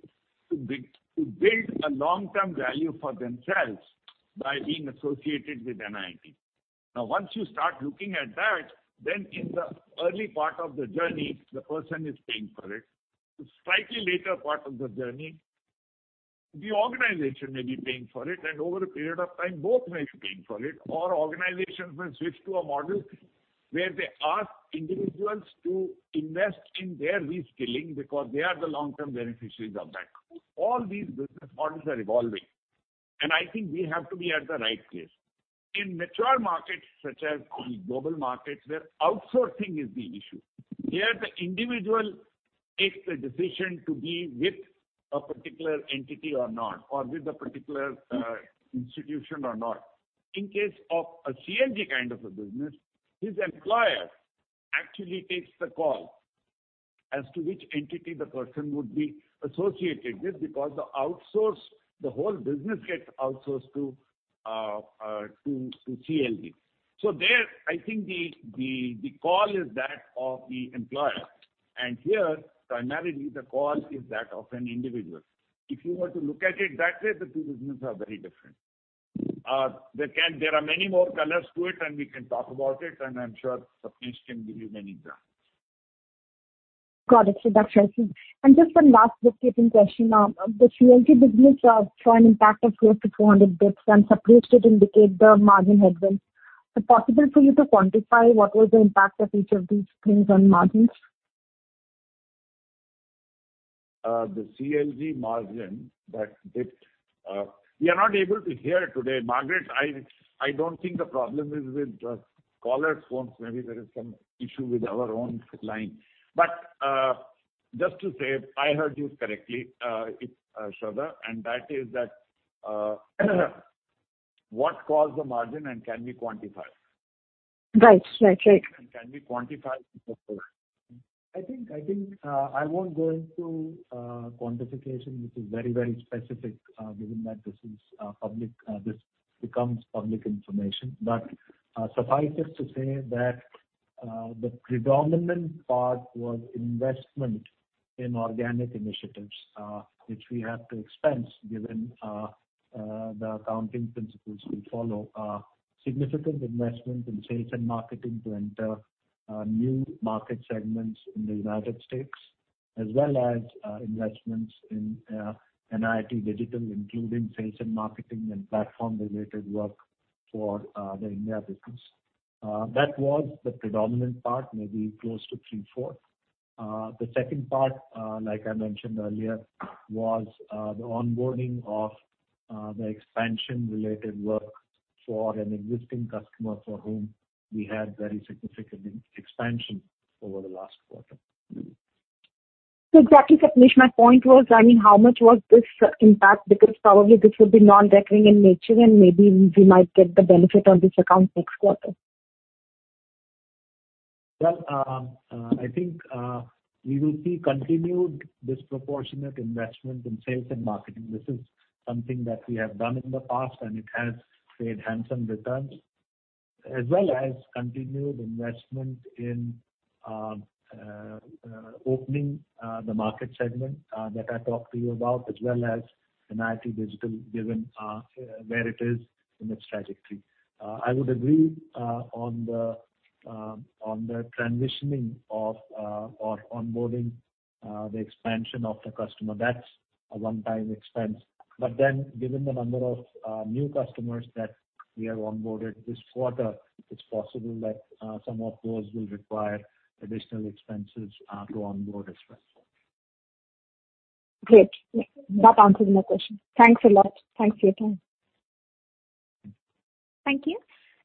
to build a long-term value for themselves by being associated with NIIT? Now, once you start looking at that, then in the early part of the journey, the person is paying for it. Slightly later part of the journey, the organization may be paying for it, and over a period of time, both may be paying for it, or organizations may switch to a model where they ask individuals to invest in their reskilling because they are the long-term beneficiaries of that. All these business models are evolving, and I think we have to be at the right place. In mature markets, such as the global markets, where outsourcing is the issue, here, the individual takes the decision to be with a particular entity or not, or with a particular institution or not. In case of a CLG kind of a business, his employer actually takes the call as to which entity the person would be associated with because the whole business gets outsourced to CLG. There, I think the call is that of the employer. Here, primarily the call is that of an individual. If you were to look at it that way, the two businesses are very different. There can. There are many more colors to it, and we can talk about it, and I'm sure Sapnesh can give you many examples. Got it. That's right. Just one last bookkeeping question. The CLG business saw an impact of close to 400 basis points, and Sapnesh did indicate the margin headwinds. Is it possible for you to quantify what was the impact of each of these things on margins? The CLG margin that bit. We are not able to hear today, Margaret. I don't think the problem is with the callers' phones. Maybe there is some issue with our own line. Just to say, I heard you correctly, it's Shradha, and that is that, what caused the margin and can we quantify? Right. Can we quantify it before? I think I won't go into quantification, which is very specific, given that this is public, this becomes public information. Suffice it to say that the predominant part was investment in organic initiatives, which we have to expense given the accounting principles we follow. Significant investment in sales and marketing to enter new market segments in the United States as well as investments in NIIT Digital, including sales and marketing and platform-related work for the India business. That was the predominant part, maybe close to three-fourths. The second part, like I mentioned earlier, was the onboarding of the expansion-related work for an existing customer for whom we had very significant expansion over the last quarter. Exactly, Sapnesh, my point was, I mean, how much was this impact? Because probably this would be non-recurring in nature, and maybe we might get the benefit on this account next quarter. Well, I think we will see continued disproportionate investment in sales and marketing. This is something that we have done in the past, and it has paid handsome returns, as well as continued investment in opening the market segment that I talked to you about, as well as NIIT Digital, given where it is in its trajectory. I would agree on the transitioning of or onboarding the expansion of the customer. That's a one-time expense. Given the number of new customers that we have onboarded this quarter, it's possible that some of those will require additional expenses to onboard as well. Great. That answers my question. Thanks a lot. Thanks for your time. Thank you.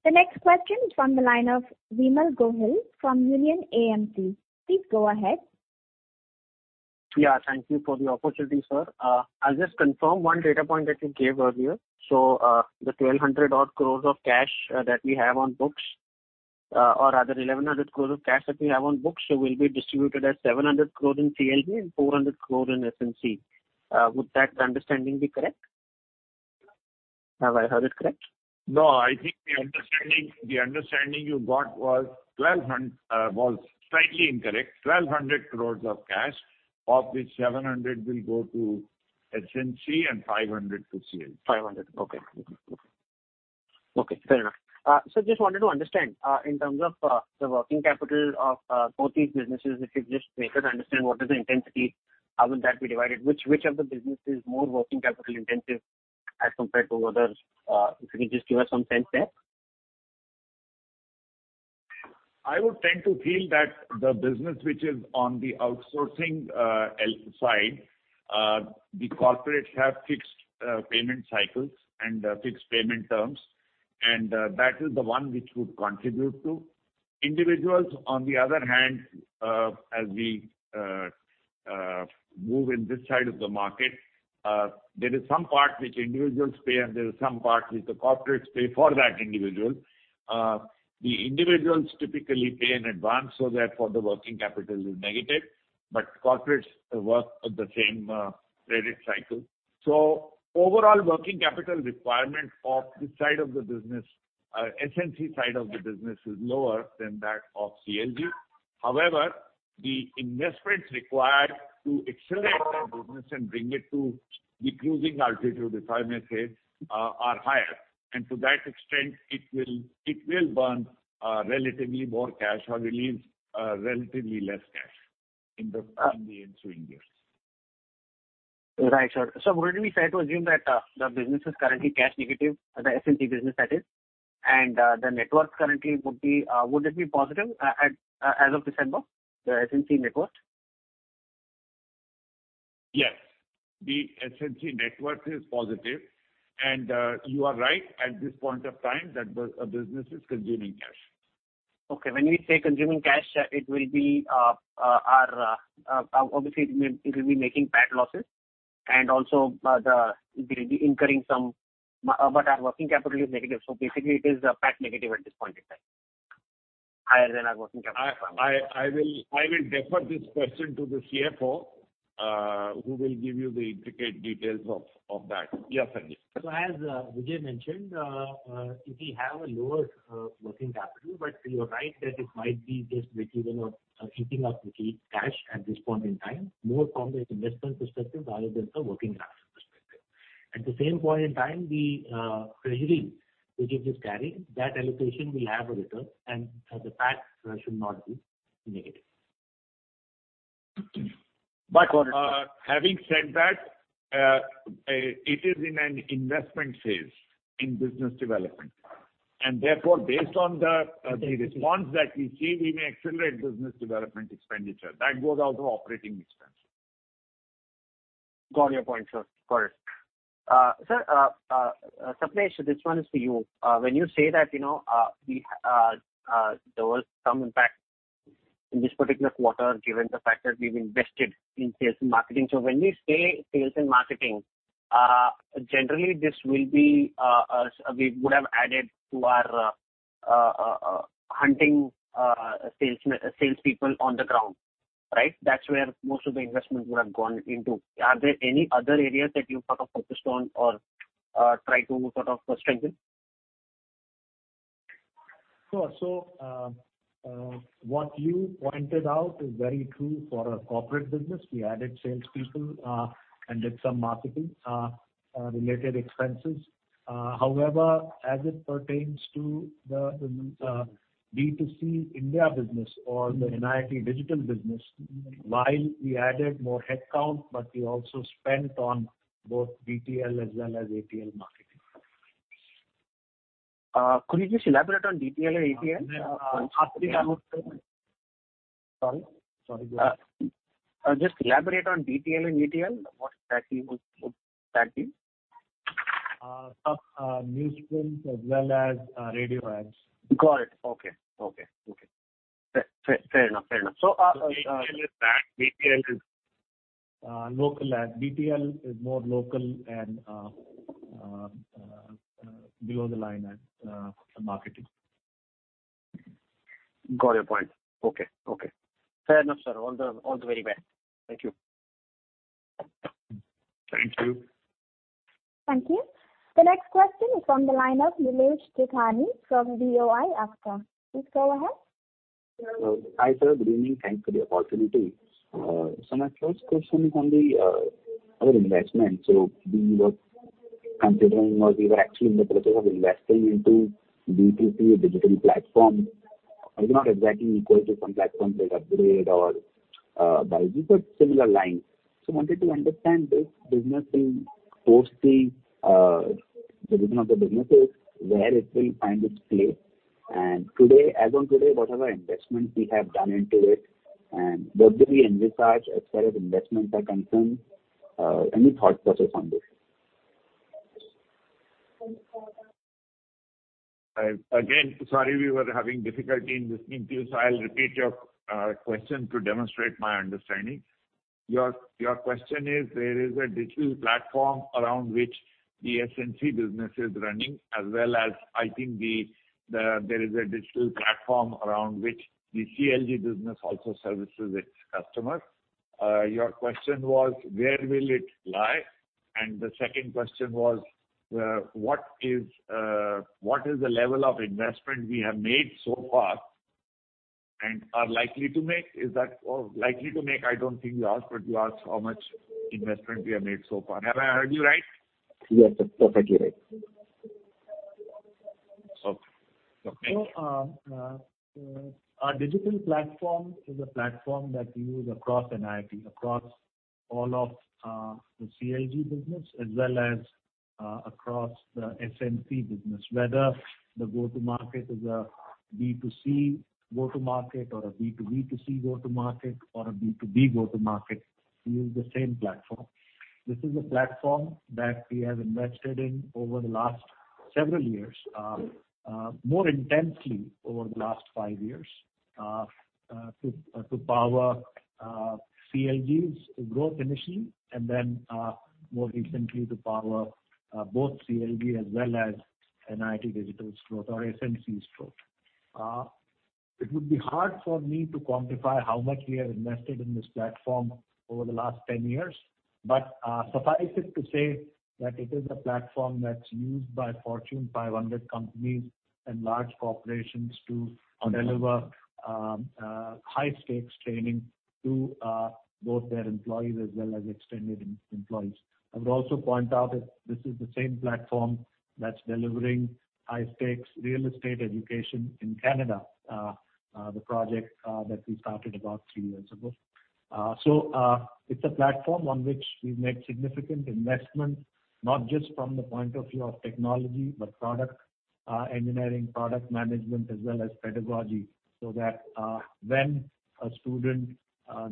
The next question is from the line of Vimal Gohil from Union AMC. Please go ahead. Yeah. Thank you for the opportunity, sir. I'll just confirm one data point that you gave earlier. The 1,200-odd crore of cash that we have on books, or rather 1,100 crore of cash that we have on books, will be distributed as 700 crore in CLG and 400 crore in SNC. Would that understanding be correct? Have I heard it correct? No, I think the understanding you got was slightly incorrect. 1,200 crores of cash, of which 700 will go to SNC and 500 to CLG. 500. Okay. Fair enough. Just wanted to understand, in terms of the working capital of both these businesses, if you just make us understand what is the intensity, how would that be divided? Which of the business is more working capital intensive as compared to others? If you could just give us some sense there. I would tend to feel that the business which is on the outsourcing side, the corporates have fixed payment cycles and fixed payment terms, and that is the one which would contribute to. Individuals on the other hand, as we move in this side of the market, there is some part which individuals pay, and there is some part which the corporates pay for that individual. The individuals typically pay in advance so the working capital is negative, but corporates work on the same credit cycle. Overall working capital requirement of this side of the business, our SNC side of the business, is lower than that of CLG. However, the investments required to accelerate that business and bring it to the cruising altitude, if I may say, are higher. To that extent, it will burn relatively more cash or release relatively less cash in the ensuing years. Right, sir. Would it be fair to assume that the business is currently cash negative, the SNC business that is, and the networks currently would it be positive as of December, the SNC network? Yes. The SNC network is positive. You are right, at this point of time that business is consuming cash. Okay. When we say consuming cash, obviously it will be making PAT losses. Our working capital is negative, so basically it is PAT negative at this point in time. Higher than our working capital. I will defer this question to the CFO, who will give you the intricate details of that. Yes, Sanjay. As Vijay mentioned, we have a lower working capital, but you are right that it might be just making or eating up the cash at this point in time, more from the investment perspective rather than the working capital perspective. At the same point in time, the treasury, which it is carrying, that allocation will have a return, and the PAT should not be negative. Got it. Having said that, it is in an investment phase in business development. Therefore, based on the response that we see, we may accelerate business development expenditure. That goes out to operating expenses. Got your point, sir. Got it. Sir, Sapnesh, this one is for you. When you say that, you know, there was some impact in this particular quarter given the fact that we've invested in sales and marketing. When we say sales and marketing, generally this will be, we would have added to our hunting salespeople on the ground. Right? That's where most of the investment would have gone into. Are there any other areas that you sort of focused on or try to sort of strengthen? Sure. What you pointed out is very true for our corporate business. We added salespeople and did some marketing related expenses. However, as it pertains to the B2C India business or the NIIT Digital business, while we added more headcount, but we also spent on both BTL as well as ATL marketing. Could you just elaborate on BTL and ATL? Actually, I would say. Sorry, go ahead. Just elaborate on BTL and ATL. What exactly would that be? newsprint as well as radio ads. Got it. Okay. Fair enough. BTL is brand. Local ad. BTL is more local and below the line ad marketing. Got your point. Okay. Fair enough, sir. All the very best. Thank you. Thank you. Thank you. The next question is from the line of Nilesh Tithani from DOI ASCOM. Please go ahead. Hi, sir. Good evening. Thanks for the opportunity. My first question is on our investment. We were considering or we were actually in the process of investing into B2C digital platform. It's not exactly equal to some platforms like upGrad or Byju's, similar lines. Wanted to understand this business will post the division of the businesses, where it will find its place. Today, as on today, what are the investments we have done into it, and what do we envisage as far as investments are concerned? Any thoughts, sir, on this? Again, sorry, we were having difficulty in listening to you, so I'll repeat your question to demonstrate my understanding. Your question is, there is a digital platform around which the SNC business is running, as well as I think there is a digital platform around which the CLG business also services its customers. Your question was, where will it lie? And the second question was, what is the level of investment we have made so far and are likely to make? Is that all? Likely to make, I don't think you asked, but you asked how much investment we have made so far. Have I heard you right? Yes, sir. Perfectly right. Okay. Thank you. Our digital platform is a platform that we use across NIIT, across all of the CLG business as well as across the SNC business. Whether the go-to-market is a B2C go-to-market or a B2B2C go-to-market or a B2B go-to-market, we use the same platform. This is a platform that we have invested in over the last several years, more intensely over the last five years, to power CLG's growth initially, and then more recently to power both CLG as well as NIIT Digital's growth or SNC's growth. It would be hard for me to quantify how much we have invested in this platform over the last 10 years. Suffice it to say that it is a platform that's used by Fortune 500 companies and large corporations to deliver high-stakes training to both their employees as well as extended employees. I would also point out that this is the same platform that's delivering high-stakes real estate education in Canada, the project that we started about three years ago. It is a platform on which we've made significant investments, not just from the point of view of technology, but product engineering, product management, as well as pedagogy, so that when a student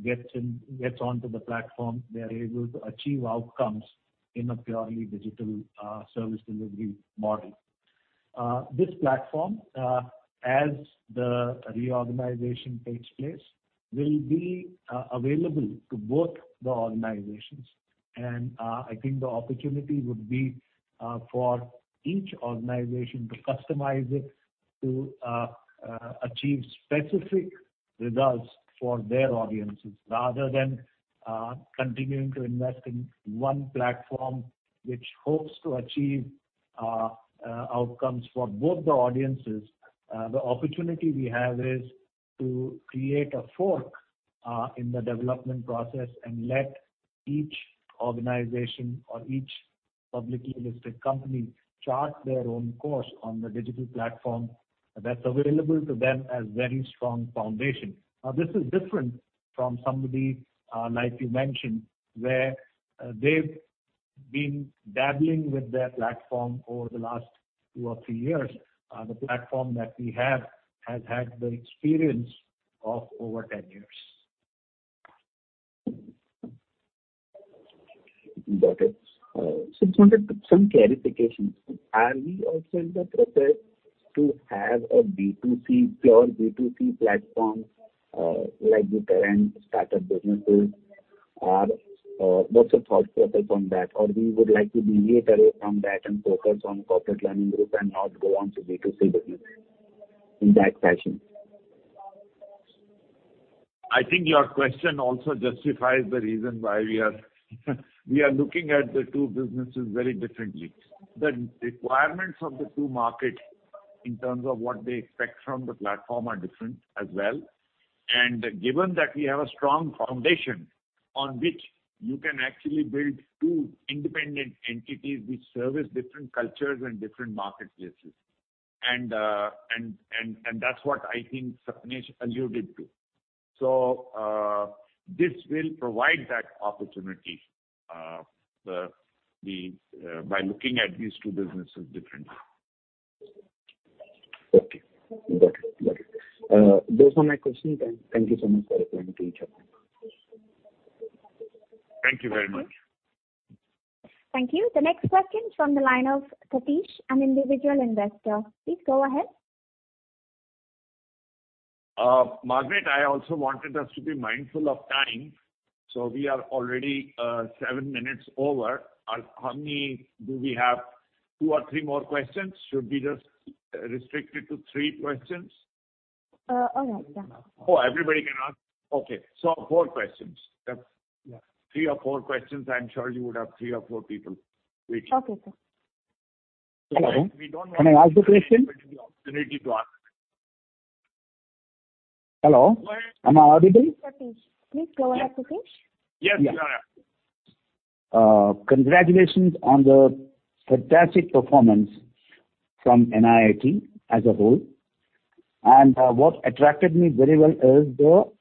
gets onto the platform, they are able to achieve outcomes in a purely digital service delivery model. This platform, as the reorganization takes place, will be available to both the organizations. I think the opportunity would be for each organization to customize it to achieve specific results for their audiences. Rather than continuing to invest in one platform which hopes to achieve outcomes for both the audiences, the opportunity we have is to create a fork in the development process and let each organization or each publicly listed company chart their own course on the digital platform that's available to them as very strong foundation. Now, this is different from somebody like you mentioned, where they've been dabbling with their platform over the last 2 or 3 years. The platform that we have has had the experience of over 10 years. Got it. Just wanted some clarifications. Are we also in the process to have a B2C, pure B2C platform, like the current startup businesses? Or, what's your thought process on that? Or we would like to deviate away from that and focus on corporate learning group and not go on to B2C business in that fashion. I think your question also justifies the reason why we are looking at the two businesses very differently. The requirements of the two markets, in terms of what they expect from the platform, are different as well. Given that we have a strong foundation on which you can actually build two independent entities which service different cultures and different marketplaces. That's what I think Sagnik alluded to. This will provide that opportunity by looking at these two businesses differently. Okay. Got it. Those are my questions. Thank you so much for replying to each of them. Thank you very much. Thank you. The next question is from the line of Satish, an individual investor. Please go ahead. Margaret, I also wanted us to be mindful of time, so we are already seven minutes over. How many do we have? two or three more questions? Should we just restrict it to three questions? All right. Yeah. Oh, everybody can ask? Okay. Four questions. Yeah. Three or four questions. I'm sure you would have three or four people waiting. Okay, sir. We don't want- Hello. Can I ask a question? opportunity to ask. Hello. Am I audible? Satish. Please go ahead, Satish. Yes, you are. Congratulations on the fantastic performance from NIIT as a whole. What attracted me very well is the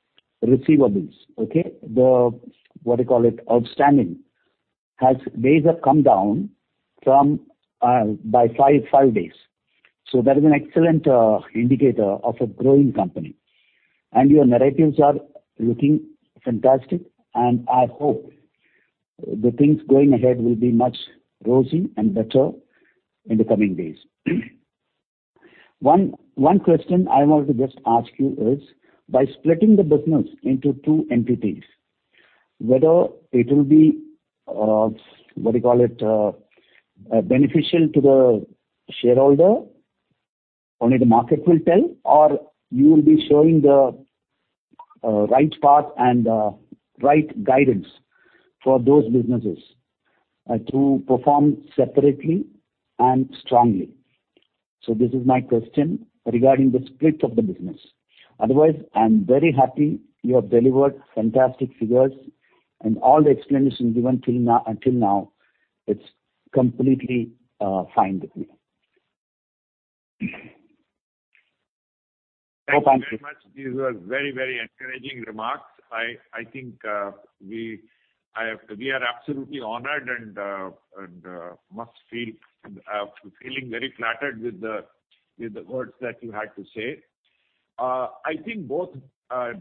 receivables, okay? The what do you call it, outstanding days have come down by five days. That is an excellent indicator of a growing company. Your narratives are looking fantastic, and I hope the things going ahead will be much rosy and better in the coming days. One question I want to just ask you is, by splitting the business into two entities, whether it will be what do you call it, beneficial to the shareholder? Only the market will tell. You will be showing the right path and right guidance for those businesses to perform separately and strongly. This is my question regarding the split of the business. Otherwise, I'm very happy you have delivered fantastic figures, and all the explanations given until now, it's completely fine with me. Hope I'm clear. Thank you very much. These are very, very encouraging remarks. I think we are absolutely honored and feeling very flattered with the words that you had to say. I think both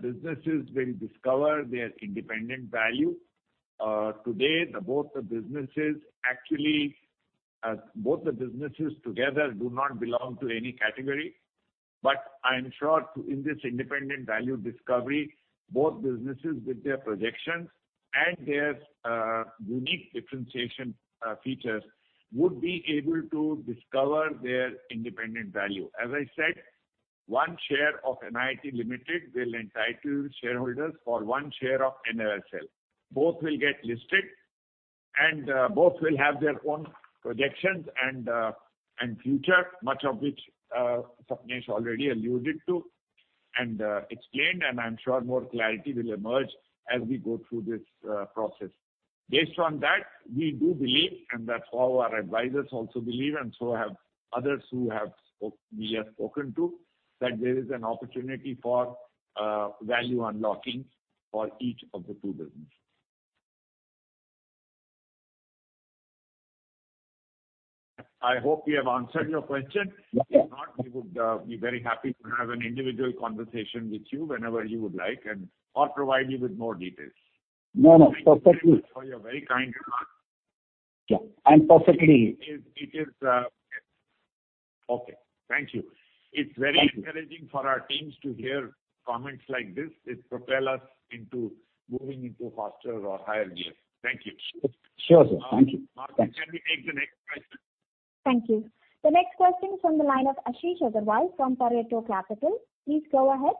businesses will discover their independent value. Today, both the businesses actually together do not belong to any category. I am sure in this independent value discovery, both businesses with their projections and their unique differentiation features would be able to discover their independent value. As I said One share of NIIT Limited will entitle shareholders for one share of NLSL. Both will get listed and both will have their own projections and future, much of which Sapnesh already alluded to and explained. I'm sure more clarity will emerge as we go through this process. Based on that, we do believe, and that's how our advisors also believe, and so have others who we have spoken to, that there is an opportunity for value unlocking for each of the two businesses. I hope we have answered your question. Yes. If not, we would be very happy to have an individual conversation with you whenever you would like or provide you with more details. No, no. Perfectly. Thank you for your very kind remarks. Yeah. It is. Okay. Thank you. Thank you. It's very encouraging for our teams to hear comments like this. It propels us into moving into faster or higher gear. Thank you. Sure, sir. Thank you. Operator, can we take the next question? Thank you. The next question is from the line of Ashish Agarwal from Pareto Capital. Please go ahead.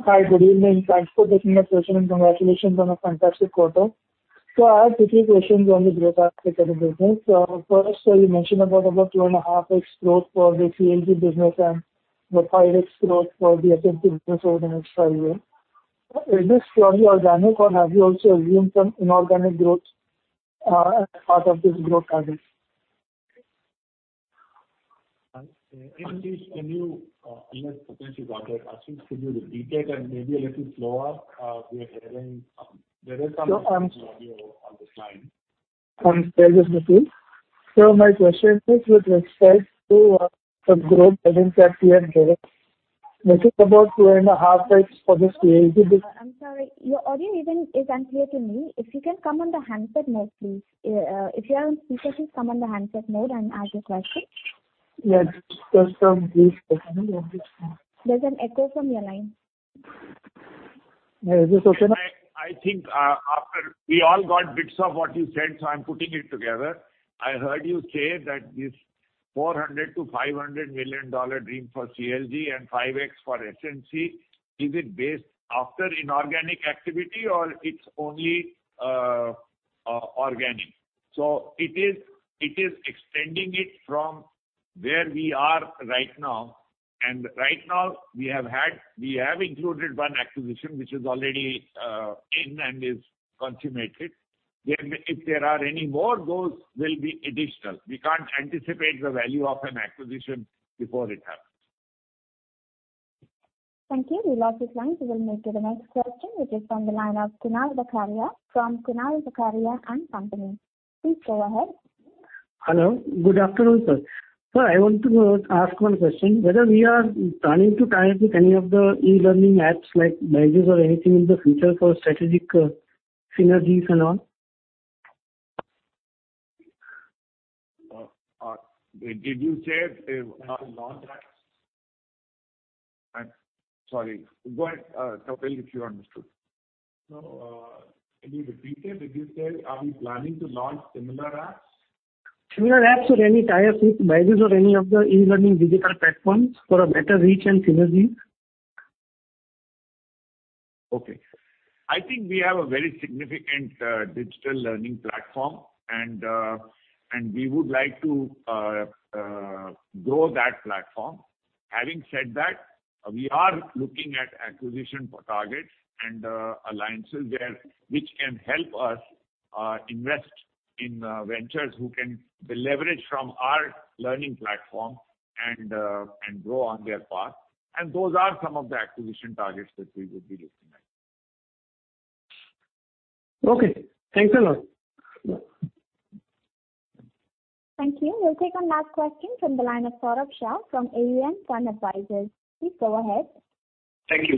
Hi. Good evening. Thanks for taking my question, and congratulations on a fantastic quarter. I have two, three questions on the growth aspect of the business. First, you mentioned about 2.5x growth for the CLG business and the 5x growth for the SNC business over the next 5 years. Is this purely organic, or have you also assumed some inorganic growth as part of this growth targets? Ashish, can you know, Sapnesh has asked you, Ashish, can you repeat it and maybe a little slower? We are having, there is some- Sure, I'm- -audio on the line. Sorry, just a minute, please. My question is with respect to the growth within CLG business. You said about 2.5x for this CLG bus- I'm sorry. Your audio is unclear to me. If you can come on the handset mode, please. If you're on speaker, please come on the handset mode and ask your question. Yeah. Just a brief second. One minute. There's an echo from your line. Yeah. Is this okay now? I think after we all got bits of what you said, so I'm putting it together. I heard you say that this $400 million-$500 million dream for CLG and 5x for SNC, is it based after inorganic activity or it's only organic? It is extending it from where we are right now, and right now we have included one acquisition which is already in and is consummated. If there are any more, those will be additional. We can't anticipate the value of an acquisition before it happens. Thank you. We've lost this line. We'll move to the next question, which is from the line of Kunal Zakharia from Kunal Zakharia and Company. Please go ahead. Hello. Good afternoon, sir. Sir, I want to ask one question. Whether we are planning to tie up with any of the e-learning apps like Byju's or anything in the future for strategic synergies and all? Did you say if we are to launch apps? I'm sorry. Go ahead, Sapnesh, if you understood. No. Can you repeat it? Did you say, are we planning to launch similar apps? Similar apps or any tie-up with Byju's or any of the e-learning digital platforms for a better reach and synergy. Okay. I think we have a very significant digital learning platform, and we would like to grow that platform. Having said that, we are looking at acquisition targets and alliances there which can help us invest in ventures who can leverage from our learning platform and grow on their path. Those are some of the acquisition targets that we would be looking at. Okay. Thanks a lot. Thank you. We'll take one last question from the line of Saurabh Shah from AUM Fund Advisors. Please go ahead. Thank you.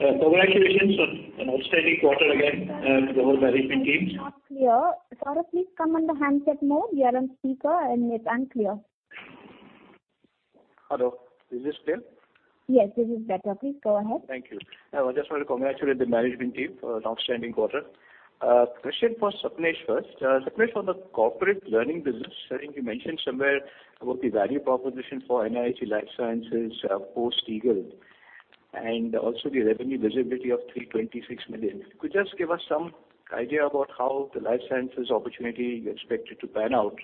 Congratulations on an outstanding quarter again, to the whole management teams. It's not clear. Saurabh, please come on the handset mode. You are on speaker, and it's unclear. Hello. Is this clear? Yes, this is better. Please go ahead. Thank you. I just want to congratulate the management team for an outstanding quarter. Question for Sapnesh first. Sapnesh, on the corporate learning business, I think you mentioned somewhere about the value proposition for NIIT Life Sciences, post-Eagle, and also the revenue visibility of $326 million. Could you just give us some idea about how the life sciences opportunity you expect it to pan out?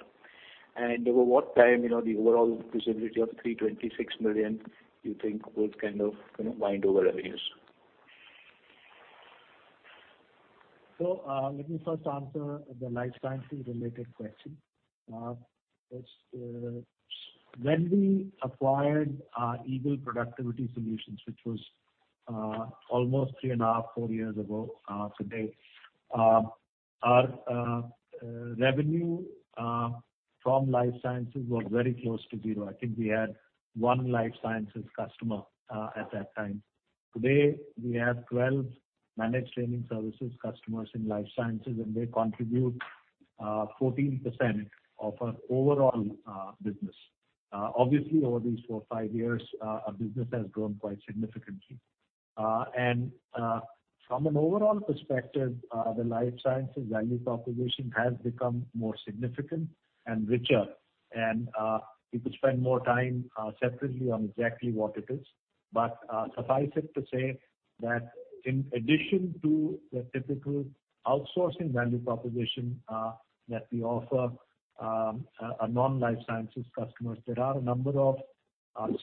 And over what time, you know, the overall visibility of $326 million you think would kind of, you know, wind over revenues? Let me first answer the life sciences related question. When we acquired our Eagle Productivity Solutions, which was almost 3.5-4 years ago, our revenue from life sciences was very close to zero. I think we had one life sciences customer at that time. Today, we have 12 managed training services customers in life sciences, and they contribute 14% of our overall business. Obviously, over these 4-5 years, our business has grown quite significantly. From an overall perspective, the life sciences value proposition has become more significant and richer. We could spend more time separately on exactly what it is. Suffice it to say that in addition to the typical outsourcing value proposition that we offer a non-life sciences customers, there are a number of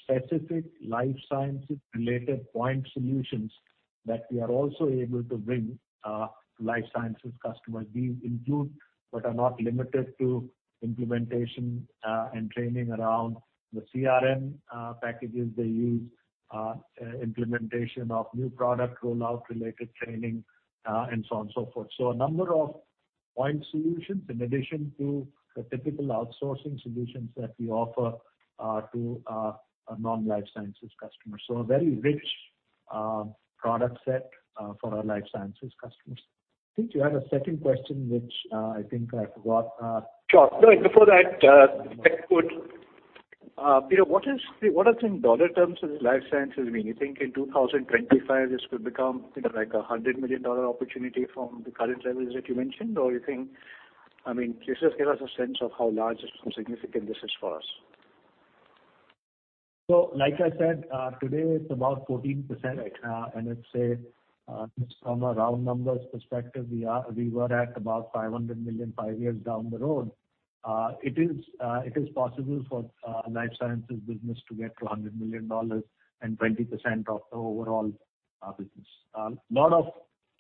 specific life sciences related point solutions that we are also able to bring to life sciences customers. These include, but are not limited to, implementation and training around the CRM packages they use, implementation of new product rollout related training, and so on and so forth. A number of point solutions in addition to the typical outsourcing solutions that we offer to a non-life sciences customer. A very rich product set for our life sciences customers. I think you had a second question which I think I forgot. Sure. No, before that, you know, what, in dollar terms, does life sciences mean? You think in 2025 this could become, you know, like a $100 million opportunity from the current levels that you mentioned? Or you think, I mean, can you just give us a sense of how large or significant this is for us? Like I said, today it's about 14%. Let's say, just from a round numbers perspective, we were at about $500 million five years down the road. It is possible for life sciences business to get to $100 million and 20% of the overall business. Lot of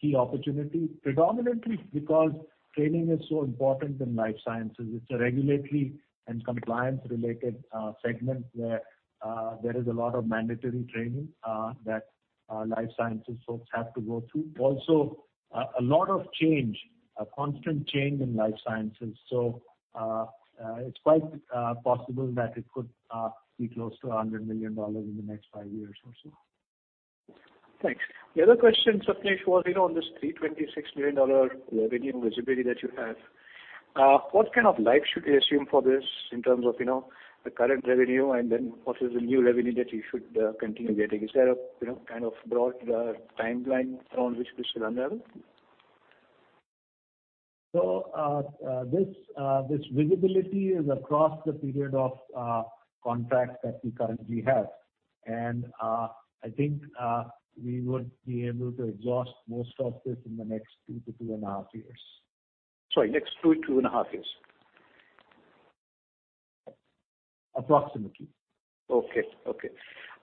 key opportunities, predominantly because training is so important in life sciences. It's a regulatory and compliance related segment where there is a lot of mandatory training that life sciences folks have to go through. Also a lot of change, constant change in life sciences. It's quite possible that it could be close to $100 million in the next five years or so. Thanks. The other question, Sapnesh, was, you know, on this $326 million revenue visibility that you have. What kind of life should we assume for this in terms of, you know, the current revenue and then what is the new revenue that you should continue getting? Is there a, you know, kind of broad timeline around which this will run out? This visibility is across the period of contracts that we currently have. I think we would be able to exhaust most of this in the next 2 to 2.5 years. Sorry, next 2-2.5 years. Approximately. Okay,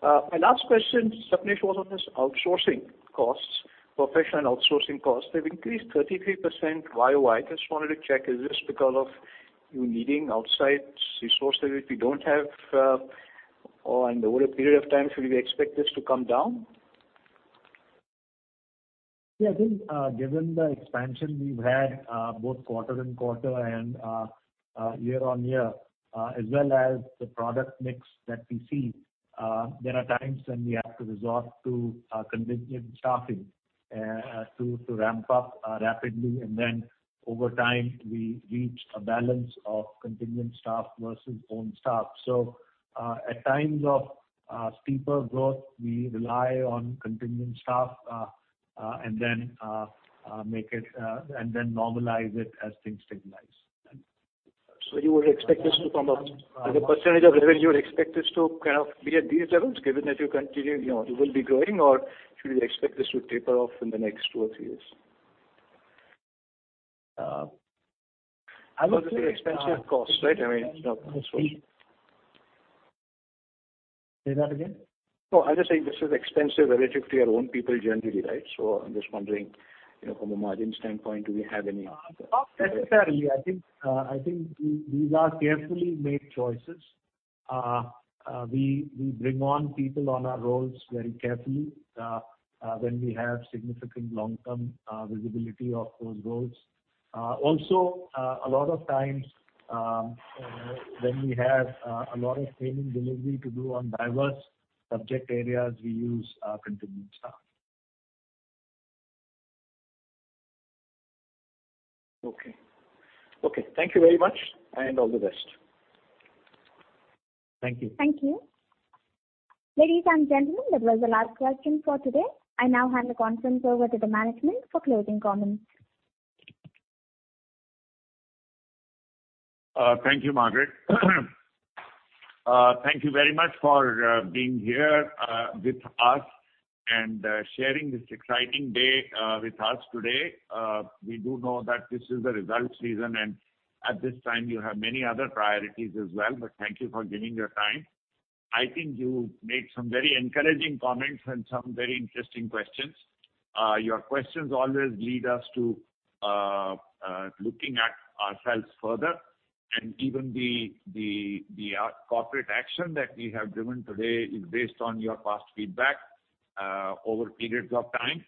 my last question, Sapnesh, was on this outsourcing costs, professional outsourcing costs. They've increased 33% YOY. Just wanted to check, is this because of you needing outside resources which you don't have, or in the older period of time, should we expect this to come down? Yeah, I think, given the expansion we've had both quarter-over-quarter and year-over-year, as well as the product mix that we see, there are times when we have to resort to contingent staffing to ramp up rapidly and then over time we reach a balance of contingent staff versus own staff. At times of steeper growth, we rely on contingent staff and then normalize it as things stabilize. You would expect this to come up as a percentage of revenue. You'd expect this to kind of be at these levels given that you continue, you know, you will be growing or should we expect this to taper off in the next two or three years? I would say. Because it's an expensive cost, right? I mean Say that again. No, I'm just saying this is expensive relative to your own people generally, right? I'm just wondering, you know, from a margin standpoint, do we have any- Not necessarily. I think these are carefully made choices. We bring on people on our roles very carefully when we have significant long-term visibility of those roles. Also, a lot of times, when we have a lot of training delivery to do on diverse subject areas, we use our contingent staff. Okay. Thank you very much and all the best. Thank you. Thank you. Ladies and gentlemen, that was the last question for today. I now hand the conference over to the management for closing comments. Thank you, Margaret. Thank you very much for being here with us and sharing this exciting day with us today. We do know that this is the results season and at this time you have many other priorities as well, but thank you for giving your time. I think you made some very encouraging comments and some very interesting questions. Your questions always lead us to looking at ourselves further and even the corporate action that we have given today is based on your past feedback over periods of time.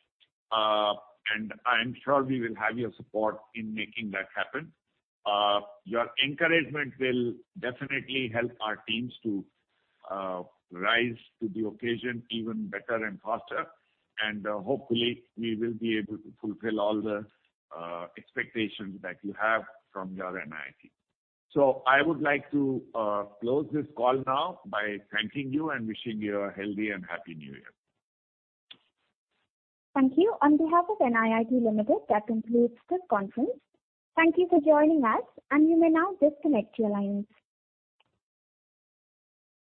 I am sure we will have your support in making that happen. Your encouragement will definitely help our teams to rise to the occasion even better and faster. Hopefully we will be able to fulfill all the expectations that you have from your NIIT. I would like to close this call now by thanking you and wishing you a healthy and happy new year. Thank you. On behalf of NIIT Limited, that concludes this conference. Thank you for joining us, and you may now disconnect your lines.